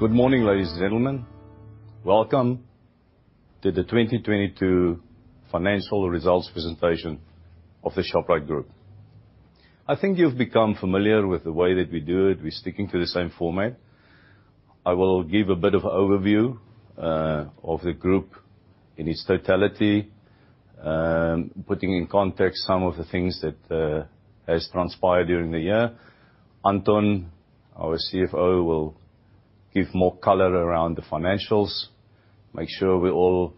Good morning, ladies and gentlemen. Welcome to the 2022 financial results presentation of the Shoprite Group. I think you've become familiar with the way that we do it. We're sticking to the same format. I will give a bit of overview of the group in its totality, putting in context some of the things that has transpired during the year. Anton, our CFO, will give more color around the financials, make sure we all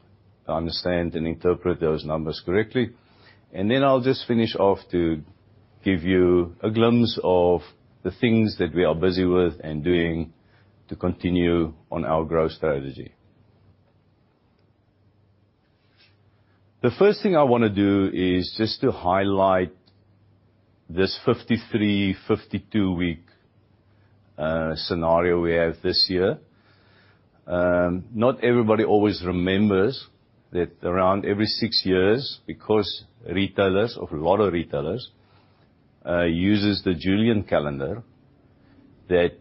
understand and interpret those numbers correctly. I'll just finish off to give you a glimpse of the things that we are busy with and doing to continue on our growth strategy. The first thing I wanna do is just to highlight this 53, 52-week scenario we have this year. Not everybody always remembers that around every six years, because retailers, or a lot of retailers, uses the Julian calendar, that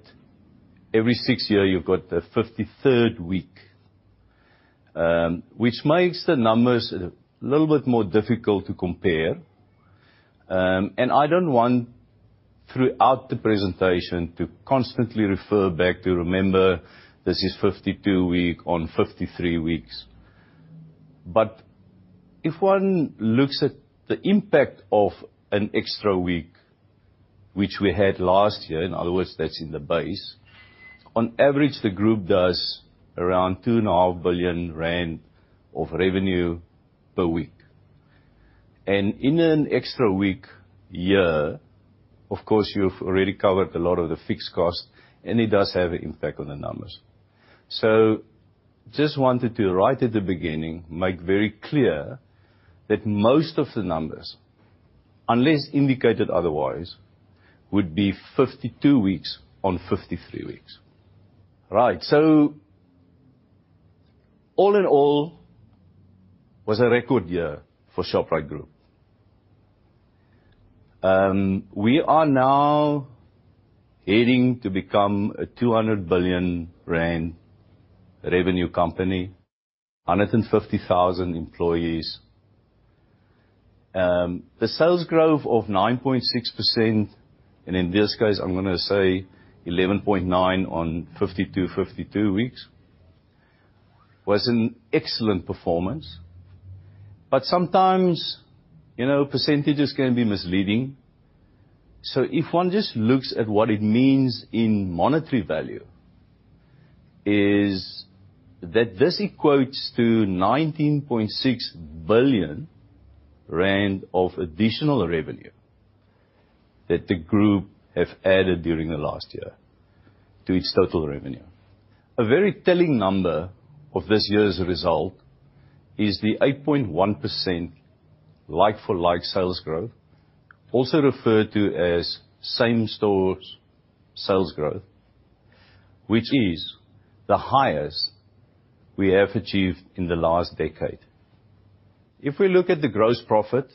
every six years you've got the 53rd week, which makes the numbers a little bit more difficult to compare. I don't want, throughout the presentation, to constantly refer back to remember this is 52 week on 53 weeks. If one looks at the impact of an extra week, which we had last year, in other words, that's in the base, on average, the group does around 2.5 billion rand of revenue per week. In an extra week year, of course, you've already covered a lot of the fixed cost and it does have an impact on the numbers. Just wanted to, right at the beginning, make very clear that most of the numbers, unless indicated otherwise, would be 52 weeks on 53 weeks. Right. All in all, was a record year for Shoprite Group. We are now heading to become a 200 billion rand revenue company, 150,000 employees. The sales growth of 9.6%, and in this case, I'm gonna say 11.9% on 52 weeks, was an excellent performance. But sometimes, you know, percentages can be misleading. If one just looks at what it means in monetary value, is that this equates to 19.6 billion rand of additional revenue that the group have added during the last year to its total revenue. A very telling number of this year's result is the 8.1% like-for-like sales growth, also referred to as same stores sales growth, which is the highest we have achieved in the last decade. If we look at the gross profit,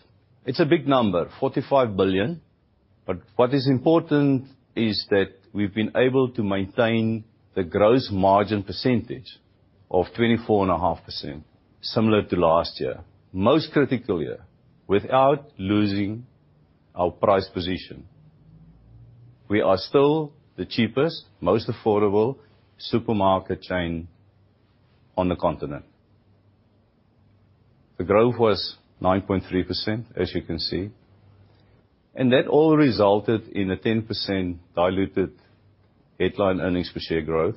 it's a big number, 45 billion, but what is important is that we've been able to maintain the gross margin percentage of 24.5%, similar to last year. Most critical year, without losing our price position. We are still the cheapest, most affordable supermarket chain on the continent. The growth was 9.3%, as you can see. That all resulted in a 10% diluted headline earnings per share growth.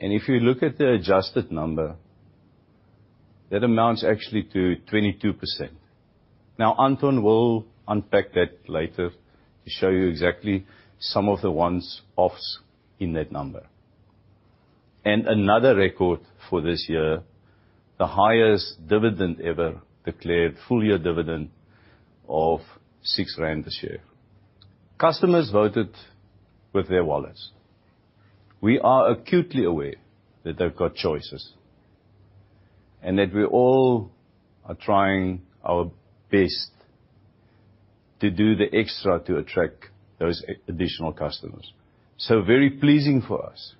If you look at the adjusted number, that amounts actually to 22%. Now, Anton will unpack that later to show you exactly some of the one-offs in that number. Another record for this year, the highest dividend ever declared, full year dividend of 6 rand a share. Customers voted with their wallets. We are acutely aware that they've got choices and that we all are trying our best to do the extra to attract those additional customers. Very pleasing for us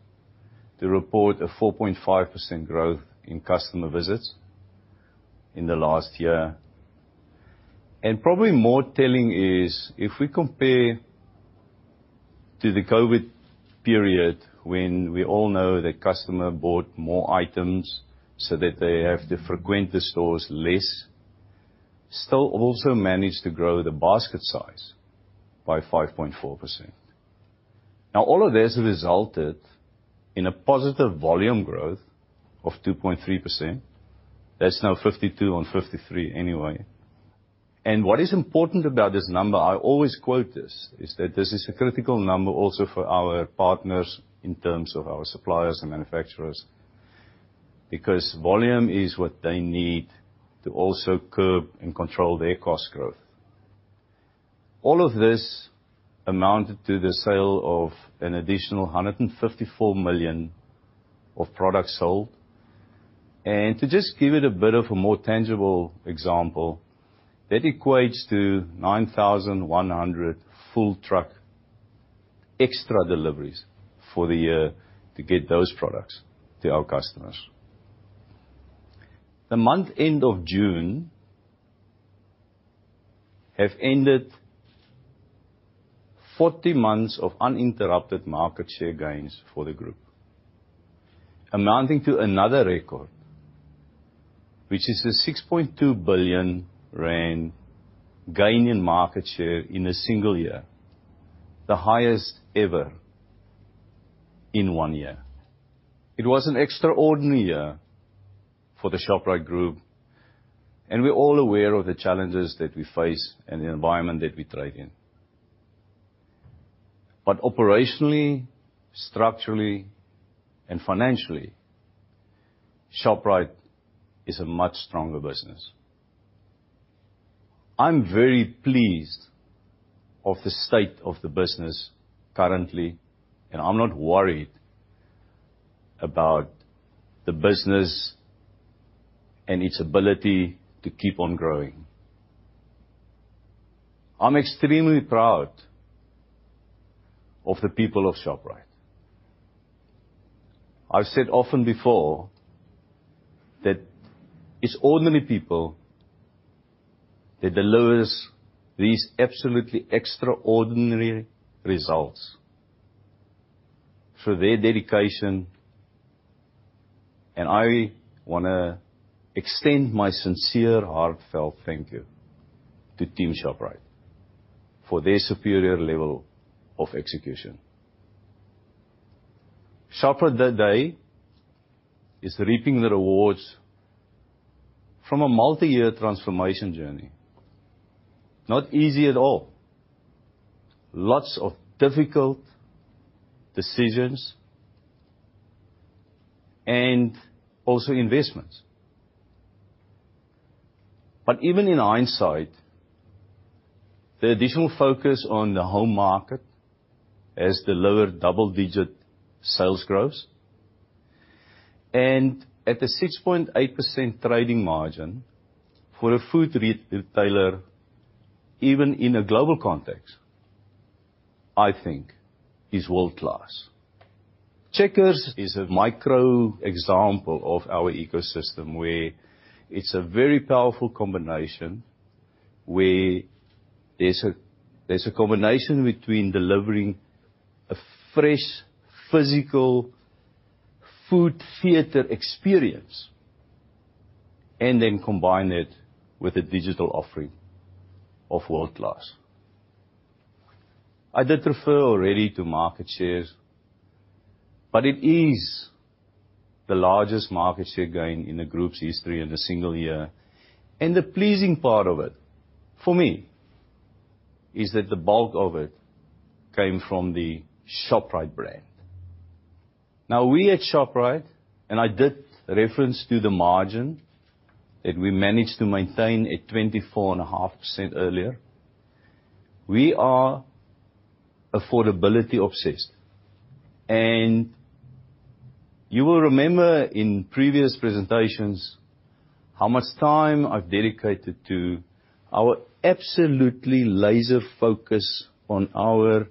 to report a 4.5% growth in customer visits in the last year. Probably more telling is if we compare to the COVID period, when we all know that customer bought more items so that they have to frequent the stores less, still also managed to grow the basket size by 5.4%. All of this resulted in a positive volume growth of 2.3%. That's now 52 and 53 anyway. What is important about this number, I always quote this, is that this is a critical number also for our partners in terms of our suppliers and manufacturers, because volume is what they need to also curb and control their cost growth. All of this amounted to the sale of an additional 154 million of products sold. To just give it a bit of a more tangible example, that equates to 9,100 full truck extra deliveries for the year to get those products to our customers. The month-end of June have ended 40 months of uninterrupted market share gains for the group, amounting to another record, which is a 6.2 billion rand gain in market share in a single year, the highest ever in one year. It was an extraordinary year for the Shoprite Group, and we're all aware of the challenges that we face and the environment that we trade in. Operationally, structurally, and financially, Shoprite is a much stronger business. I'm very pleased of the state of the business currently, and I'm not worried about the business and its ability to keep on growing. I'm extremely proud of the people of Shoprite. I've said often before that it's ordinary people that delivers these absolutely extraordinary results through their dedication. I wanna extend my sincere, heartfelt thank you to Team Shoprite for their superior level of execution. Shoprite today is reaping the rewards from a multi-year transformation journey. Not easy at all. Lots of difficult decisions and also investments. Even in hindsight, the additional focus on the home market has delivered double-digit sales growth. At a 6.8% trading margin for a food retailer, even in a global context, I think is world-class. Checkers is a micro example of our ecosystem where it's a very powerful combination, where there's a combination between delivering a fresh physical food theater experience and then combine it with a digital offering of world-class. I did refer already to market shares, but it is the largest market share gain in the group's history in a single year. The pleasing part of it, for me, is that the bulk of it came from the Shoprite brand. Now, we at Shoprite, and I did reference to the margin that we managed to maintain at 24.5% earlier. We are affordability obsessed, and you will remember in previous presentations how much time I've dedicated to our absolutely laser focus on our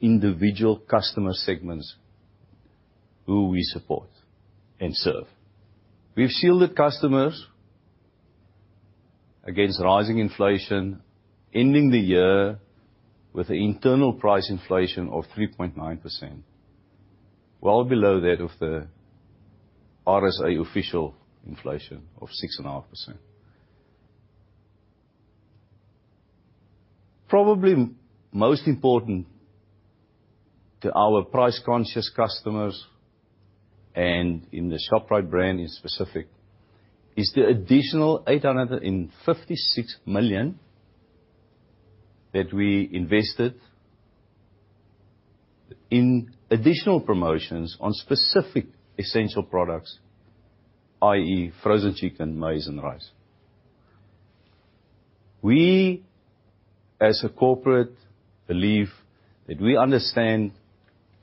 individual customer segments who we support and serve. We've shielded customers against rising inflation, ending the year with an internal price inflation of 3.9%, well below that of the RSA official inflation of 6.5%. Probably most important to our price-conscious customers, and in the Shoprite brand in specific, is the additional 856 million that we invested in additional promotions on specific essential products, i.e., frozen chicken, maize, and rice. We, as a corporate, believe that we understand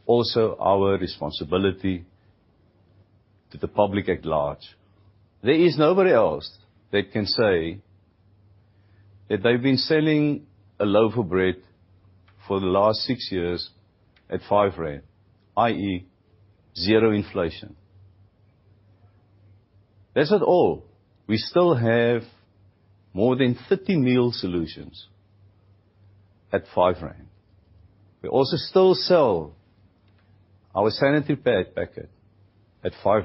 also our responsibility to the public at large. There is nobody else that can say that they've been selling a loaf of bread for the last six years at 5 rand, i.e., 0% inflation. That's not all. We still have more than 30 meal solutions at 5 rand. We also still sell our sanitary pad packet at 5.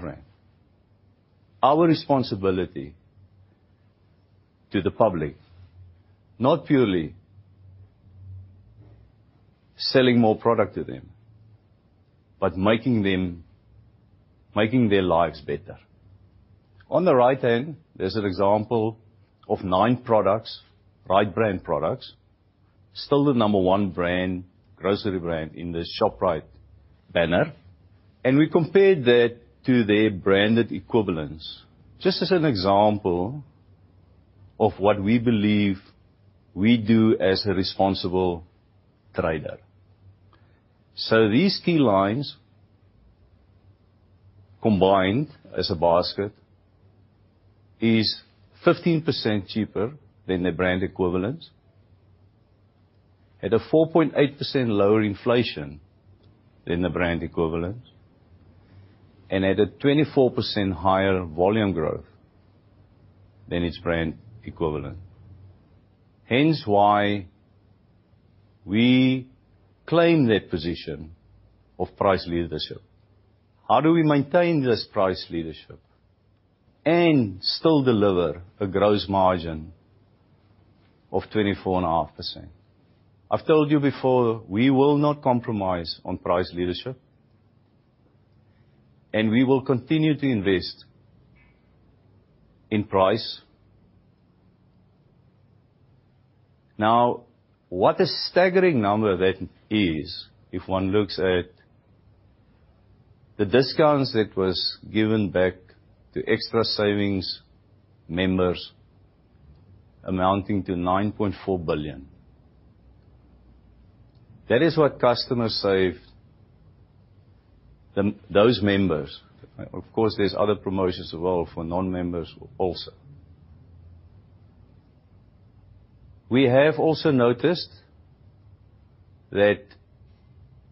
Our responsibility to the public, not purely selling more product to them, but making their lives better. On the right hand, there's an example of nine products, Ritebrand products, still the number one brand, grocery brand in the Shoprite banner. We compared that to their branded equivalents, just as an example of what we believe we do as a responsible trader. These key lines combined as a basket is 15% cheaper than the brand equivalents, at a 4.8% lower inflation than the brand equivalents, and at a 24% higher volume growth than its brand equivalent. Hence why we claim that position of price leadership. How do we maintain this price leadership and still deliver a gross margin of 24.5%? I've told you before, we will not compromise on price leadership and we will continue to invest in price. Now, what a staggering number that is, if one looks at the discounts that was given back to Xtra Savings members amounting to 9.4 billion. That is what customers save, those members. Of course, there's other promotions as well for non-members also. We have also noticed that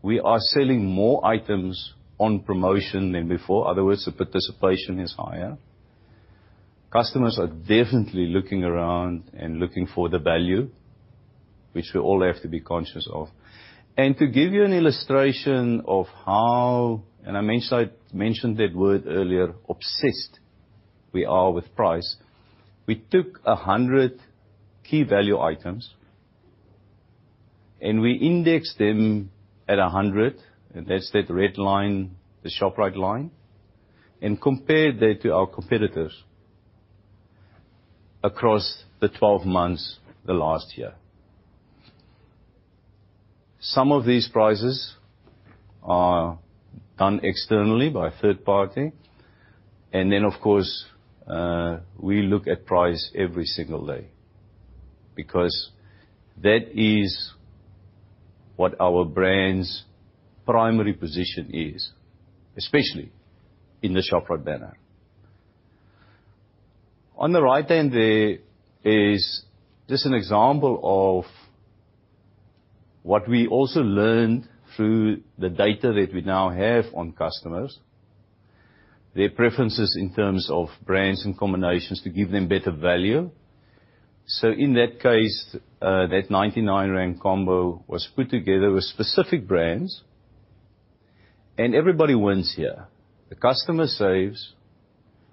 we are selling more items on promotion than before. In other words, the participation is higher. Customers are definitely looking around and looking for the value, which we all have to be conscious of. To give you an illustration of how, and I mentioned that word earlier, obsessed we are with price. We took 100 key value items, and we indexed them at 100, and that's that red line, the Shoprite line, and compared that to our competitors across the 12 months the last year. Some of these prices are done externally by a third party. Of course, we look at price every single day because that is what our brand's primary position is, especially in the Shoprite banner. On the right-hand there is just an example of what we also learned through the data that we now have on customers, their preferences in terms of brands and combinations to give them better value. In that case, that 99 rand combo was put together with specific brands, and everybody wins here. The customer saves,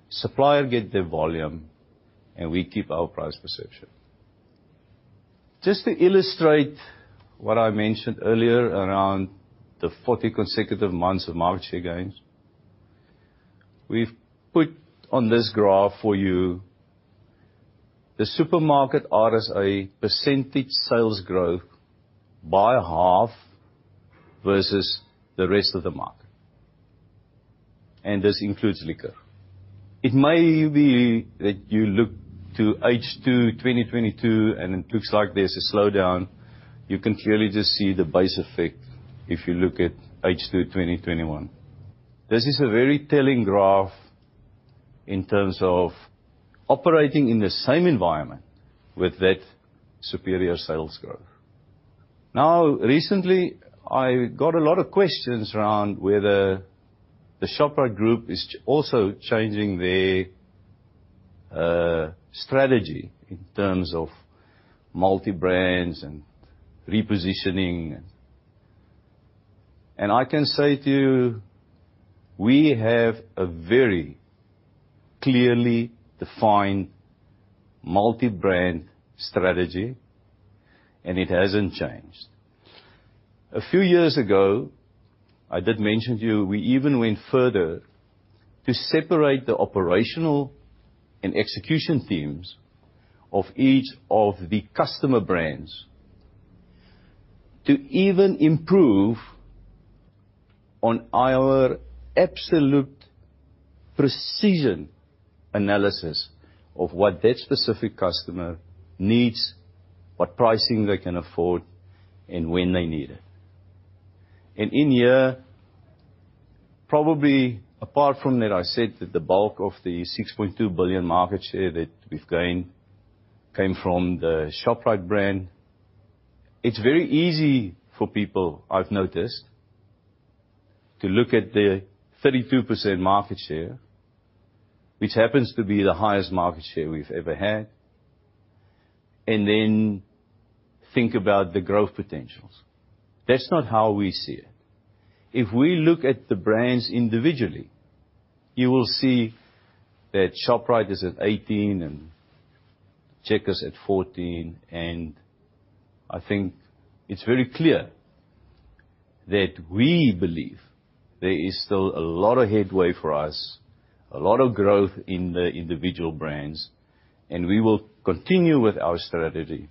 supplier get their volume, and we keep our price perception. Just to illustrate what I mentioned earlier around the 40 consecutive months of market share gains, we've put on this graph for you the supermarket RSI % sales growth by half versus the rest of the market, and this includes liquor. It may be that you look to H2 2022, and it looks like there's a slowdown. You can clearly just see the base effect if you look at H2 2021. This is a very telling graph in terms of operating in the same environment with that superior sales growth. Now, recently, I got a lot of questions around whether the Shoprite Group is also changing their strategy in terms of multi-brands and repositioning. I can say to you, we have a very clearly defined multi-brand strategy, and it hasn't changed. A few years ago, I did mention to you, we even went further to separate the operational and execution teams of each of the customer brands to even improve on our absolute precision analysis of what that specific customer needs, what pricing they can afford, and when they need it. In here, probably apart from that, I said that the bulk of the 6.2 billion market share that we've gained came from the Shoprite brand. It's very easy for people, I've noticed, to look at the 32% market share, which happens to be the highest market share we've ever had, and then think about the growth potentials. That's not how we see it. If we look at the brands individually, you will see that Shoprite is at 18% and Checkers at 14%. I think it's very clear that we believe there is still a lot of headway for us, a lot of growth in the individual brands, and we will continue with our strategy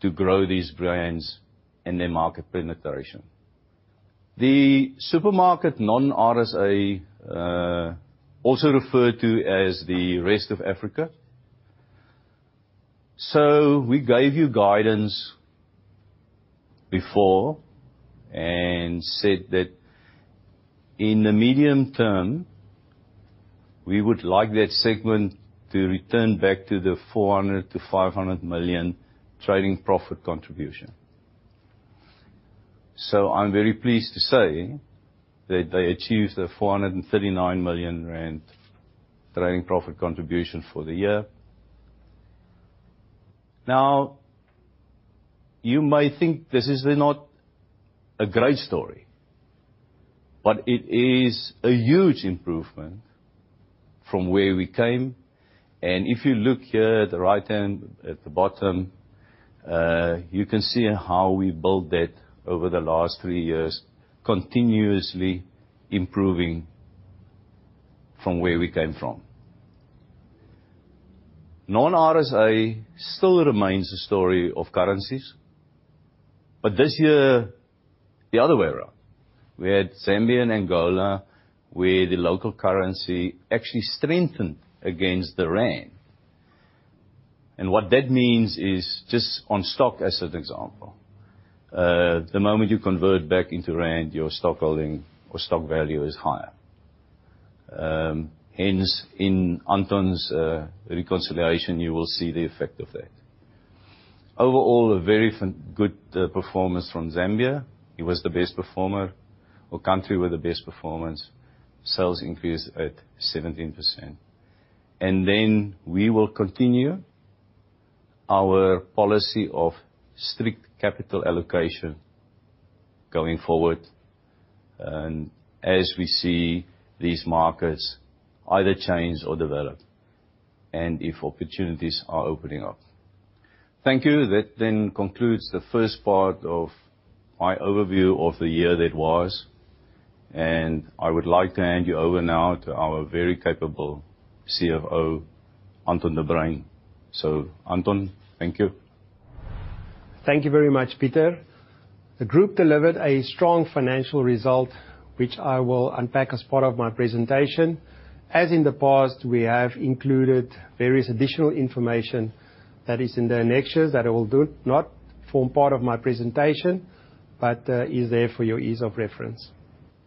to grow these brands and their market penetration. The supermarket non-RSA, also referred to as the rest of Africa. We gave you guidance before and said that in the medium term, we would like that segment to return back to the 400 million-500 million trading profit contribution. I'm very pleased to say that they achieved the 439 million rand trading profit contribution for the year. Now, you may think this is not a great story, but it is a huge improvement from where we came. If you look here at the right-hand, at the bottom, you can see how we built that over the last three years, continuously improving from where we came from. Non-RSA still remains a story of currencies, but this year, the other way around. We had Zambia and Angola, where the local currency actually strengthened against the rand. What that means is just on stock, as an example, the moment you convert back into rand, your stockholding or stock value is higher. Hence, in Anton's reconciliation, you will see the effect of that. Overall, a very fun, good performance from Zambia. It was the best performer or country with the best performance. Sales increased at 17%. We will continue our policy of strict capital allocation going forward, and as we see these markets either change or develop, and if opportunities are opening up. Thank you. That concludes the first part of my overview of the year that was. I would like to hand you over now to our very capable CFO, Anton de Bruyn. Anton, thank you. Thank you very much, Pieter. The group delivered a strong financial result, which I will unpack as part of my presentation. As in the past, we have included various additional information that is in the annexures that do not form part of my presentation, but is there for your ease of reference.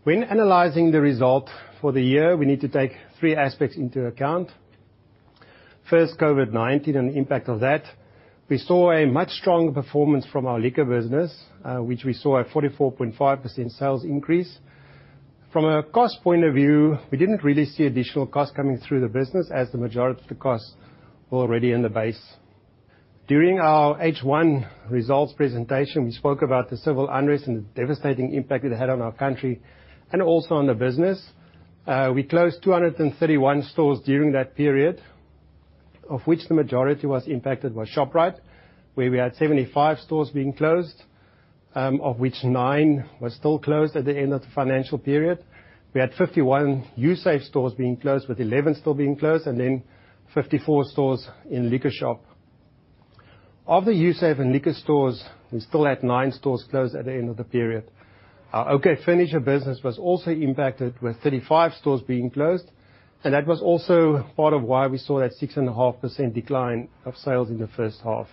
When analyzing the result for the year, we need to take three aspects into account. First, COVID-19 and the impact of that. We saw a much stronger performance from our liquor business, which we saw a 44.5% sales increase. From a cost point of view, we didn't really see additional costs coming through the business as the majority of the costs were already in the base. During our H1 results presentation, we spoke about the civil unrest and the devastating impact it had on our country and also on the business. We closed 231 stores during that period, of which the majority was impacted by Shoprite, where we had 75 stores being closed, of which nine were still closed at the end of the financial period. We had 51 Usave stores being closed, with 11 still being closed, and then 54 stores in LiquorShop. Of the Usave and Liquor stores, we still had nine stores closed at the end of the period. Our OK Furniture business was also impacted, with 35 stores being closed, and that was also part of why we saw that 6.5% decline of sales in the first half.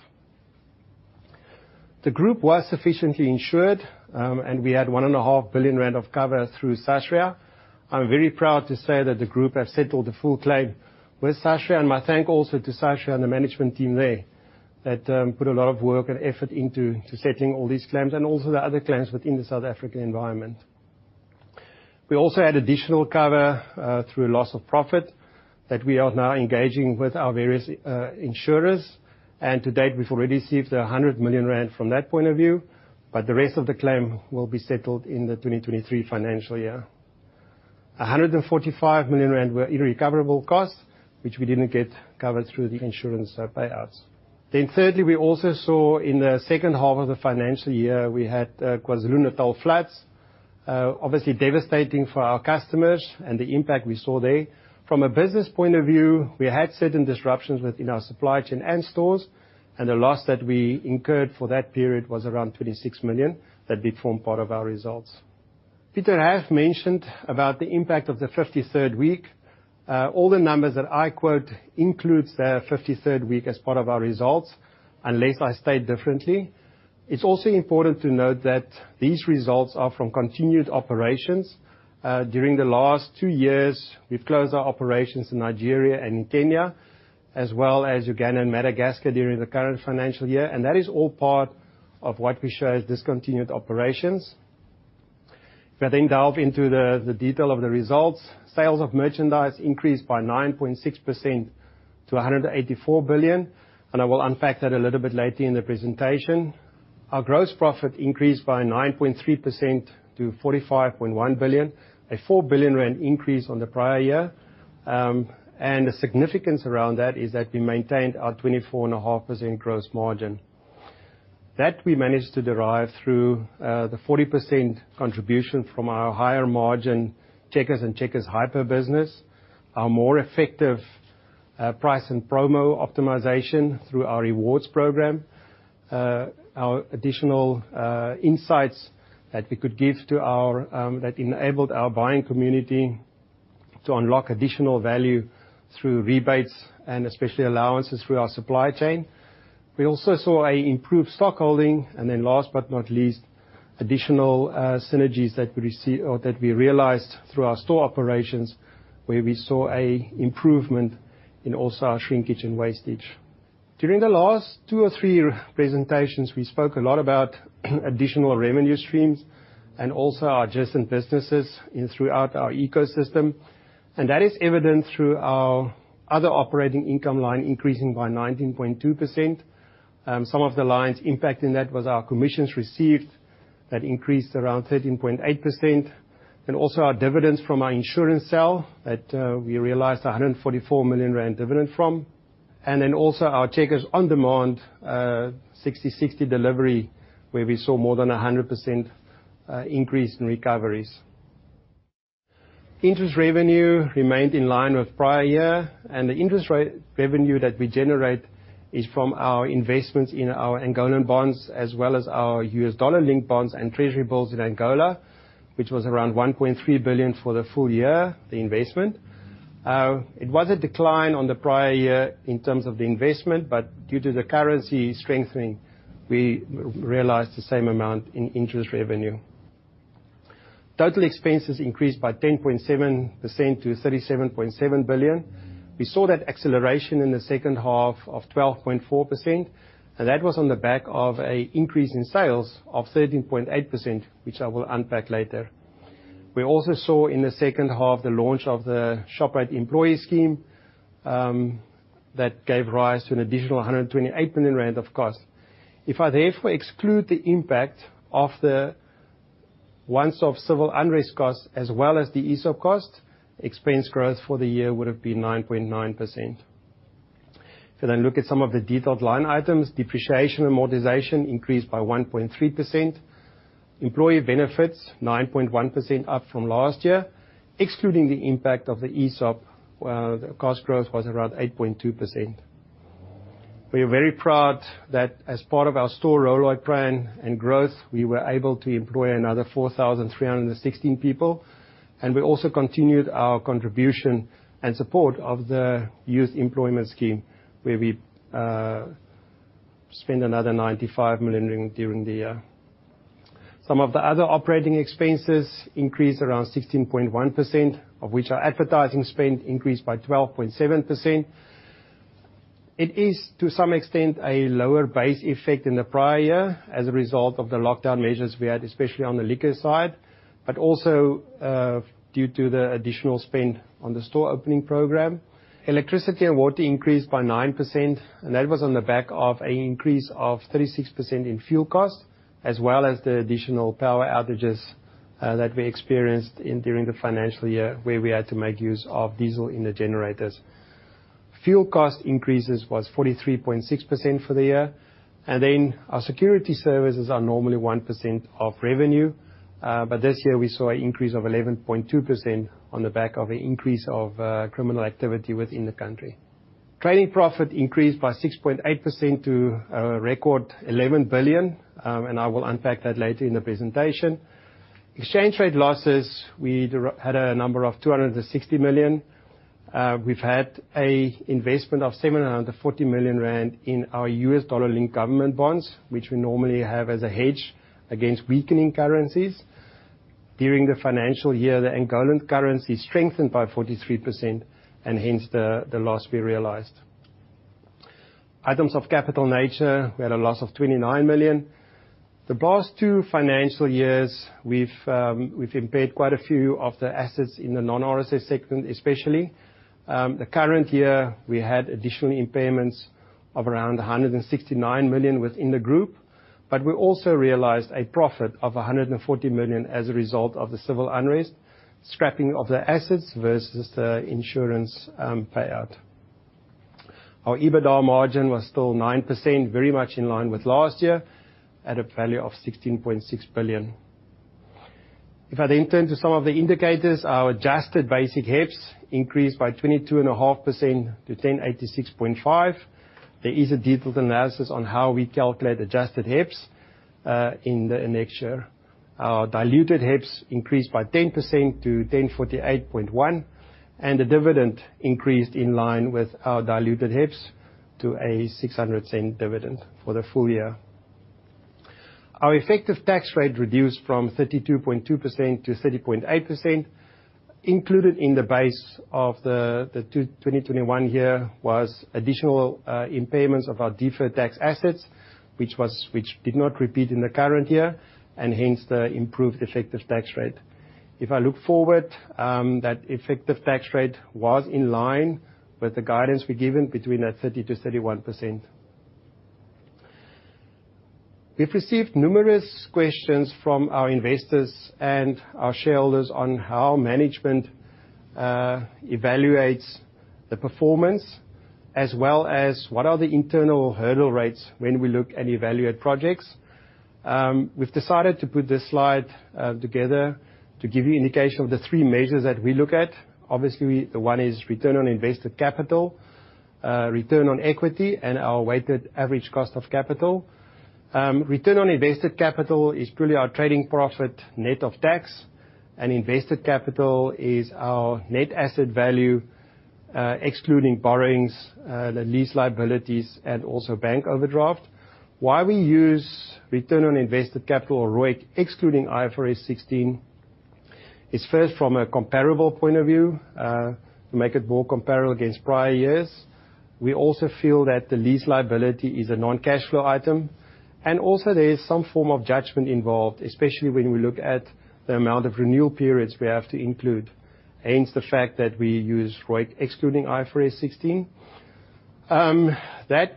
The group was sufficiently insured, and we had 1.5 billion rand of cover through Sasria. I'm very proud to say that the group have settled the full claim with Sasria, and my thanks also to Sasria and the management team there that put a lot of work and effort into settling all these claims and also the other claims within the South African environment. We also had additional cover through loss of profit that we are now engaging with our various insurers. To date, we've already received 100 million rand from that point of view, but the rest of the claim will be settled in the 2023 financial year. 145 million rand were irrecoverable costs, which we didn't get covered through the insurance payouts. Thirdly, we also saw in the second half of the financial year, we had KwaZulu-Natal floods, obviously devastating for our customers and the impact we saw there. From a business point of view, we had certain disruptions within our supply chain and stores, and the loss that we incurred for that period was around 26 million. That did form part of our results. Pieter have mentioned about the impact of the 53rd week. All the numbers that I quote includes the 53rd week as part of our results, unless I state differently. It's also important to note that these results are from continued operations. During the last two years, we've closed our operations in Nigeria and in Kenya, as well as Uganda and Madagascar during the current financial year, and that is all part of what we show as discontinued operations. If I delve into the detail of the results, sales of merchandise increased by 9.6% to 184 billion, and I will unpack that a little bit later in the presentation. Our gross profit increased by 9.3% to 45.1 billion, a 4 billion rand increase on the prior year. The significance around that is that we maintained our 24.5% gross margin. That we managed to derive through the 40% contribution from our higher margin Checkers and Checkers Hyper business, our more effective price and promo optimization through our rewards program, our additional insights that enabled our buying community to unlock additional value through rebates and especially allowances through our supply chain. We also saw an improved stock holding, and then last but not least, additional synergies that we realized through our store operations, where we saw an improvement in also our shrinkage and wastage. During the last two or three presentations, we spoke a lot about additional revenue streams and also adjacent businesses throughout our ecosystem, and that is evident through our other operating income line increasing by 19.2%. Some of the lines impacting that was our commissions received that increased around 13.8%, and also our dividends from our insurance cell that we realized a 144 million rand dividend from, and then also our Checkers on-demand Sixty60 delivery, where we saw more than 100% increase in recoveries. Interest revenue remained in line with prior year, and the interest revenue that we generate is from our investments in our Angolan bonds as well as our U.S. dollar-linked bonds and treasury bills in Angola, which was around 1.3 billion for the full year, the investment. It was a decline on the prior year in terms of the investment, but due to the currency strengthening, we realized the same amount in interest revenue. Total expenses increased by 10.7% to 37.7 billion. We saw that acceleration in the second half of 12.4%, and that was on the back of a increase in sales of 13.8%, which I will unpack later. We also saw in the second half the launch of the Shoprite employee scheme that gave rise to an additional 128 million rand of cost. If I therefore exclude the impact of the once-off civil unrest costs as well as the ESOP cost, expense growth for the year would have been 9.9%. If I then look at some of the detailed line items, depreciation and amortization increased by 1.3%. Employee benefits, 9.1% up from last year. Excluding the impact of the ESOP, the cost growth was around 8.2%. We are very proud that as part of our store rollout plan and growth, we were able to employ another 4,316 people, and we also continued our contribution and support of the youth employment scheme, where we spend another 95 million during the year. Some of the other operating expenses increased around 16.1%, of which our advertising spend increased by 12.7%. It is, to some extent, a lower base effect than the prior year as a result of the lockdown measures we had, especially on the liquor side, but also due to the additional spend on the store opening program. Electricity and water increased by 9%, and that was on the back of an increase of 36% in fuel costs, as well as the additional power outages that we experienced during the financial year, where we had to make use of diesel in the generators. Fuel cost increase was 43.6% for the year, and then our security services are normally 1% of revenue, but this year we saw an increase of 11.2% on the back of an increase of criminal activity within the country. Trading profit increased by 6.8% to a record 11 billion, and I will unpack that later in the presentation. Exchange rate losses, we had a number of 260 million. We've had an investment of 740 million rand in our U.S. dollar-linked government bonds, which we normally have as a hedge against weakening currencies. During the financial year, the Angolan currency strengthened by 43% and hence the loss we realized. Items of capital nature, we had a loss of 29 million. The past two financial years, we've impaired quite a few of the assets in the non-RSA segment, especially. The current year, we had additional impairments of around 169 million within the group, but we also realized a profit of 140 million as a result of the civil unrest, scrapping of the assets versus the insurance payout. Our EBITDA margin was still 9%, very much in line with last year, at a value of 16.6 billion. If I then turn to some of the indicators, our adjusted basic HEPS increased by 22.5% to 1,086.5. There is a detailed analysis on how we calculate adjusted HEPS in the annexure. Our diluted HEPS increased by 10% to 1,048.1, and the dividend increased in line with our diluted HEPS to a 600 dividend for the full year. Our effective tax rate reduced from 32.2% to 30.8%. Included in the base of the 2021 year was additional impairments of our deferred tax assets, which did not repeat in the current year, and hence the improved effective tax rate. If I look forward, that effective tax rate was in line with the guidance we'd given between that 30%-31%. We've received numerous questions from our investors and our shareholders on how management evaluates the performance as well as what are the internal hurdle rates when we look and evaluate projects. We've decided to put this slide together to give you indication of the three measures that we look at. Obviously, the one is return on invested capital. Return on equity and our weighted average cost of capital. Return on invested capital is purely our trading profit net of tax, and invested capital is our net asset value, excluding borrowings, the lease liabilities, and also bank overdraft. Why we use return on invested capital or ROIC excluding IFRS 16 is first from a comparable point of view, to make it more comparable against prior years. We also feel that the lease liability is a non-cash flow item, and also there is some form of judgment involved, especially when we look at the amount of renewal periods we have to include, hence the fact that we use ROIC excluding IFRS 16. That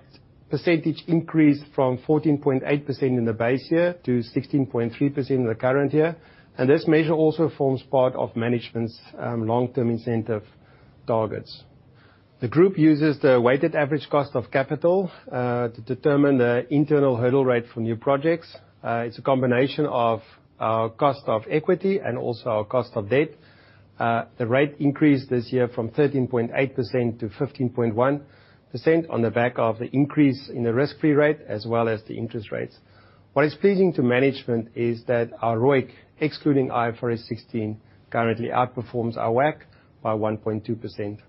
percentage increased from 14.8% in the base year to 16.3% in the current year. This measure also forms part of management's long-term incentive targets. The group uses the weighted average cost of capital to determine the internal hurdle rate for new projects. It's a combination of our cost of equity and also our cost of debt. The rate increased this year from 13.8% to 15.1% on the back of the increase in the risk-free rate as well as the interest rates. What is pleasing to management is that our ROIC, excluding IFRS 16, currently outperforms our WACC by 1.2%.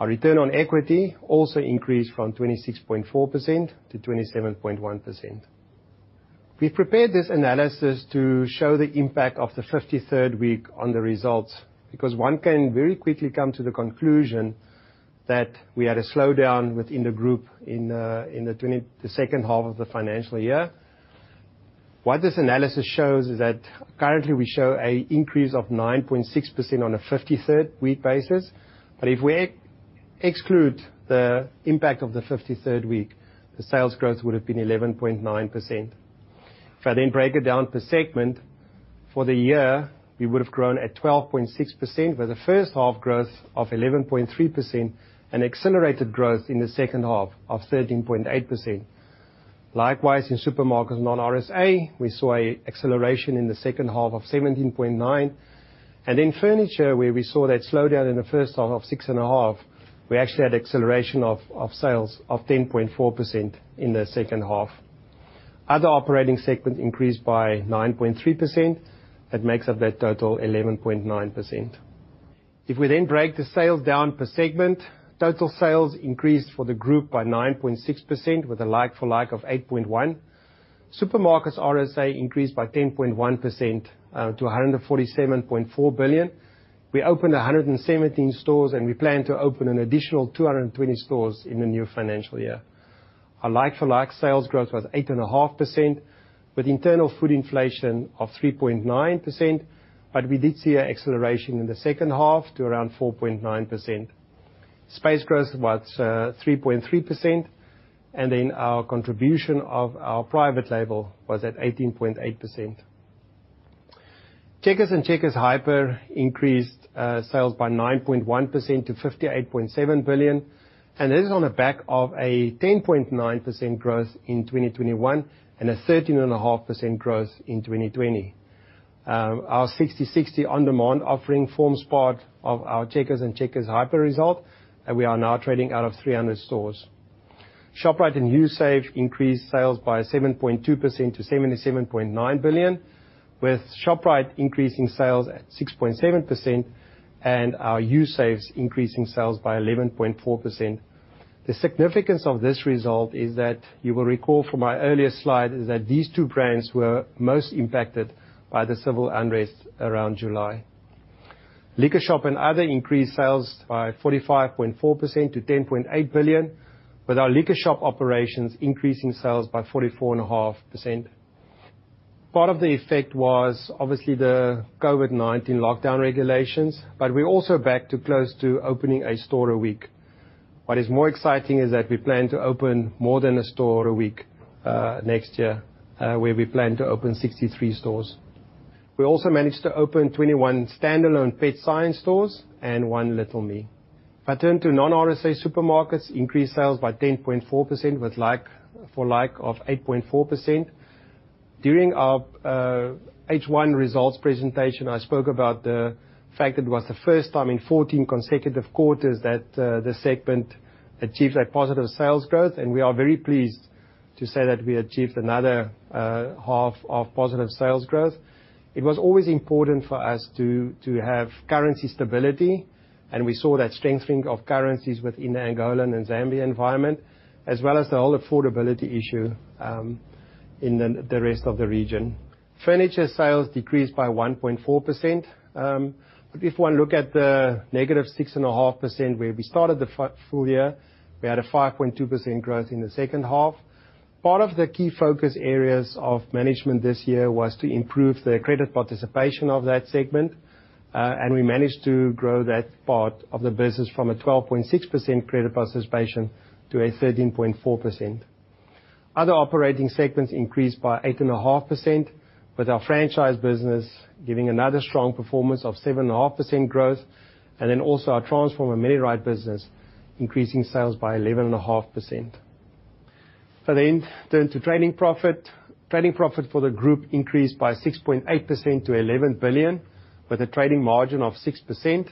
Our return on equity also increased from 26.4% to 27.1%. We've prepared this analysis to show the impact of the 53rd week on the results, because one can very quickly come to the conclusion that we had a slowdown within the group in the second half of the financial year. What this analysis shows is that currently we show an increase of 9.6% on a 53rd week basis, but if we exclude the impact of the 53rd week, the sales growth would have been 11.9%. If I then break it down per segment, for the year, we would have grown at 12.6%, with the first half growth of 11.3% and accelerated growth in the second half of 13.8%. Likewise, in supermarkets non-RSA, we saw acceleration in the second half of 17.9%. In furniture, where we saw that slowdown in the first half of 6.5%, we actually had acceleration of sales of 10.4% in the second half. Other operating segments increased by 9.3%. That makes up that total 11.9%. If we then break the sales down per segment, total sales increased for the group by 9.6% with a like-for -like of 8.1%. Supermarkets RSA increased by 10.1% to 147.4 billion. We opened 117 stores, and we plan to open an additional 220 stores in the new financial year. Our like-for-like sales growth was 8.5%, with internal food inflation of 3.9%, but we did see an acceleration in the second half to around 4.9%. Space growth was 3.3%, and then our contribution of our private label was at 18.8%. Checkers and Checkers Hyper increased sales by 9.1% to 58.7 billion. This is on the back of a 10.9% growth in 2021 and a 13.5% growth in 2020. Our Sixty60 on-demand offering forms part of our Checkers and Checkers Hyper result, and we are now trading out of 300 stores. Shoprite and Usave increased sales by 7.2% to 77.9 billion, with Shoprite increasing sales at 6.7% and our Usave increasing sales by 11.4%. The significance of this result is that you will recall from my earlier slide is that these two brands were most impacted by the civil unrest around July. LiquorShop and Other increased sales by 45.4% to 10.8 billion, with our LiquorShop operations increasing sales by 44.5%. Part of the effect was obviously the COVID-19 lockdown regulations, but we're also back to close to opening a store a week. What is more exciting is that we plan to open more than a store a week next year, where we plan to open 63 stores. We also managed to open 21 standalone Petshop Science stores and one Little Me. If I turn to non-RSA supermarkets, increased sales by 10.4% with like for like of 8.4%. During our H1 results presentation, I spoke about the fact it was the first time in 14 consecutive quarters that the segment achieved a positive sales growth, and we are very pleased to say that we achieved another half of positive sales growth. It was always important for us to have currency stability, and we saw that strengthening of currencies within the Angolan and Zambia environment, as well as the whole affordability issue in the rest of the region. Furniture sales decreased by 1.4%. If one look at the -6.5% where we started the full year, we had a 5.2% growth in the second half. Part of the key focus areas of management this year was to improve the credit participation of that segment, and we managed to grow that part of the business from a 12.6% credit participation to a 13.4%. Other operating segments increased by 8.5%, with our franchise business giving another strong performance of 7.5% growth, and then also our Transpharm and Medirite business increasing sales by 11.5%. If I then turn to trading profit. Trading profit for the group increased by 6.8% to 11 billion, with a trading margin of 6%.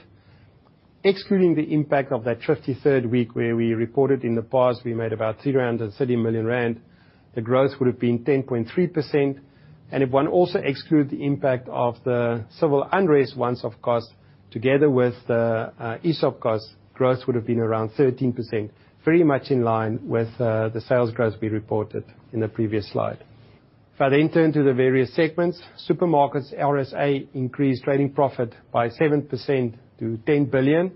Excluding the impact of that 53rd week where we reported in the past, we made about 330 million rand, the growth would have been 10.3%. If one also excludes the impact of the civil unrest one-off costs, together with the ESOP costs, growth would have been around 13%, very much in line with the sales growth we reported in the previous slide. I turn to the various segments. Supermarkets RSA increased trading profit by 7% to 10 billion,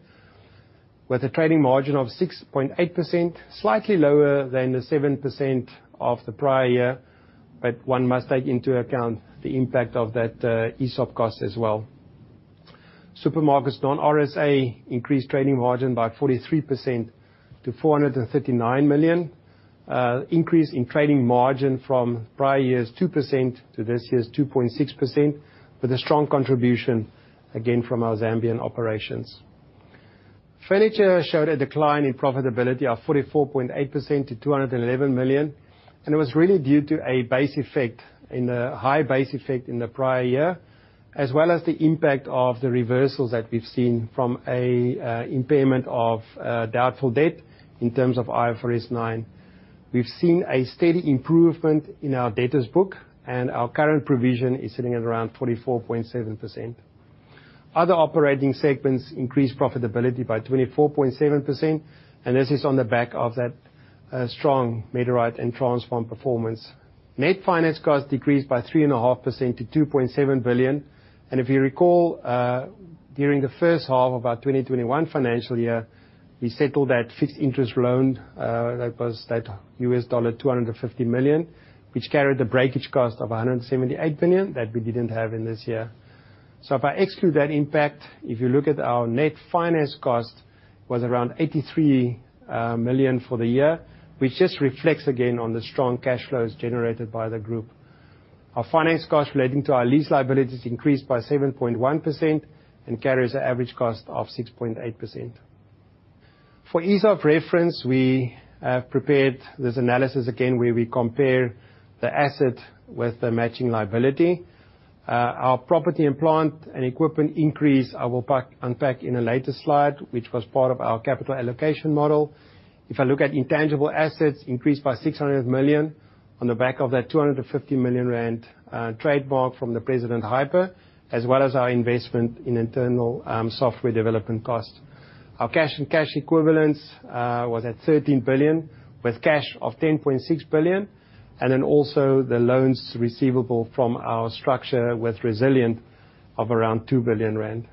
with a trading margin of 6.8%, slightly lower than the 7% of the prior year. One must take into account the impact of that ESOP cost as well. Supermarkets non-RSA increased trading margin by 43% to 439 million. Increase in trading margin from prior year's 2% to this year's 2.6%, with a strong contribution, again, from our Zambian operations. Furniture showed a decline in profitability of 44.8% to 211 million, and it was really due to a high base effect in the prior year, as well as the impact of the reversals that we've seen from a impairment of doubtful debt in terms of IFRS 9. We've seen a steady improvement in our debtors book, and our current provision is sitting at around 44.7%. Other operating segments increased profitability by 24.7%, and this is on the back of that strong Medirite and Transpharm performance. Net finance costs decreased by 3.5% to 2.7 billion. If you recall, during the first half of our 2021 financial year, we settled that fixed interest loan that was that $250 million, which carried the breakage cost of 178 million that we didn't have in this year. If I exclude that impact, if you look at our net finance cost was around 83 million for the year, which just reflects again on the strong cash flows generated by the group. Our finance costs relating to our lease liabilities increased by 7.1% and carries an average cost of 6.8%. For ease of reference, we have prepared this analysis again, where we compare the asset with the matching liability. Our property and plant and equipment increase, I will unpack in a later slide, which was part of our capital allocation model. If I look at intangible assets increased by 600 million on the back of that 250 million rand, trademark from the President Hyper, as well as our investment in internal, software development costs. Our cash and cash equivalents was at 13 billion, with cash of 10.6 billion, and then also the loans receivable from our structure with Resilient of around 2 billion rand.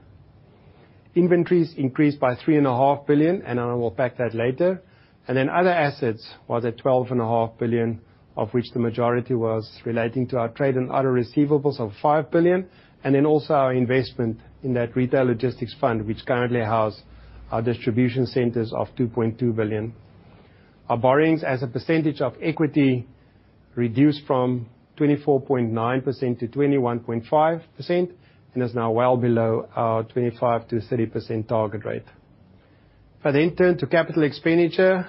Inventories increased by 3.5 billion, and I will pack that later. Other assets was at 12.5 billion, of which the majority was relating to our trade and other receivables of 5 billion, and then also our investment in that Retail Logistics Fund, which currently house our distribution centers of 2.2 billion. Our borrowings as a percentage of equity reduced from 24.9% to 21.5% and is now well below our 25%-30% target rate. If I then turn to capital expenditure.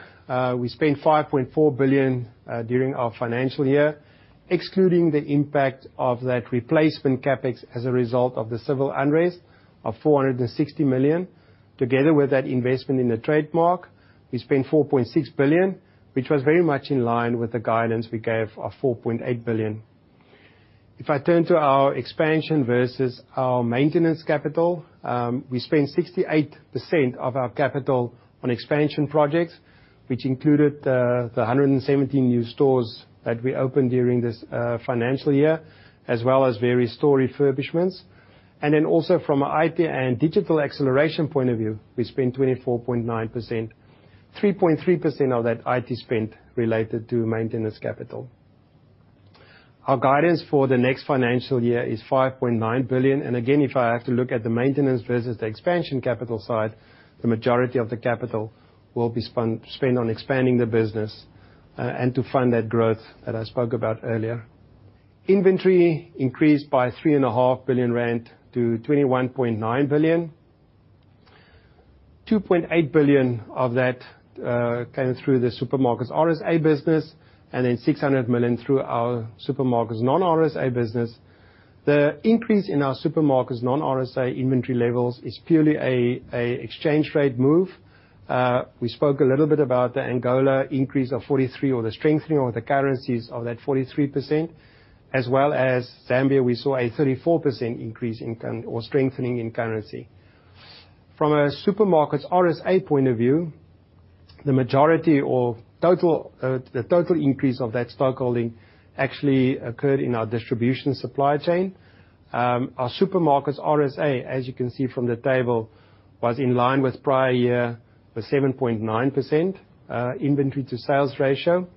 We spent 5.4 billion during our financial year, excluding the impact of that replacement CapEx as a result of the civil unrest of 460 million. Together with that investment in the trademark, we spent 4.6 billion, which was very much in line with the guidance we gave of 4.8 billion. If I turn to our expansion versus our maintenance capital. We spent 68% of our capital on expansion projects, which included the 117 new stores that we opened during this financial year, as well as various store refurbishments. Then also from an IT and digital acceleration point of view, we spent 24.9%, 3.3% of that IT spend related to maintenance capital. Our guidance for the next financial year is 5.9 billion. Again, if I have to look at the maintenance versus the expansion capital side, the majority of the capital will be spent on expanding the business, and to fund that growth that I spoke about earlier. Inventory increased by 3.5 billion rand to 21.9 billion. 2.8 billion of that came through the supermarkets RSA business and then 600 million through our supermarkets non-RSA business. The increase in our supermarkets non-RSA inventory levels is purely a exchange rate move. We spoke a little bit about the Angola increase of 43% or the strengthening of the currencies of that 43%, as well as Zambia, we saw a 34% increase in cur or strengthening in currency. From a supermarkets RSA point of view, the total increase of that stock holding actually occurred in our distribution supply chain. Our supermarkets RSA, as you can see from the table, was in line with prior year with 7.9% inventory to sales ratio.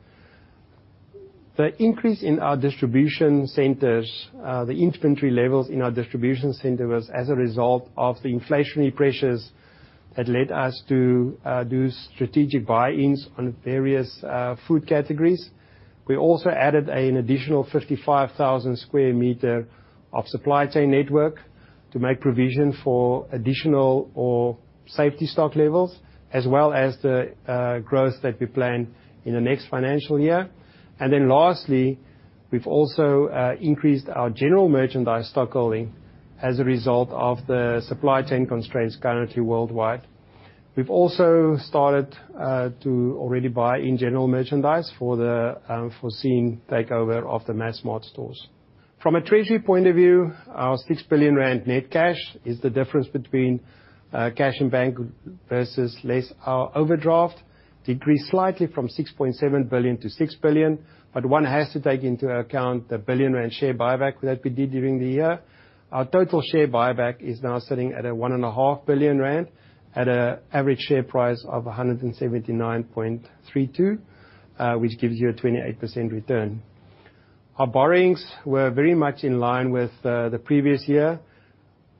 The increase in our distribution centers, the inventory levels in our distribution center was as a result of the inflationary pressures that led us to, do strategic buy-ins on various, food categories. We also added an additional 55,000 sq m of supply chain network to make provision for additional or safety stock levels as well as the, growth that we plan in the next financial year. Lastly, we've also increased our general merchandise stock holding as a result of the supply chain constraints currently worldwide. We've also started to already buy in general merchandise for the, foreseen takeover of the Massmart stores. From a treasury point of view, our 6 billion rand net cash is the difference between, cash in bank versus less our overdraft. Decreased slightly from 6.7 billion to 6 billion, but one has to take into account the 1 billion rand share buyback that we did during the year. Our total share buyback is now sitting at 1.5 billion rand at an average share price of 179.32, which gives you a 28% return. Our borrowings were very much in line with the previous year.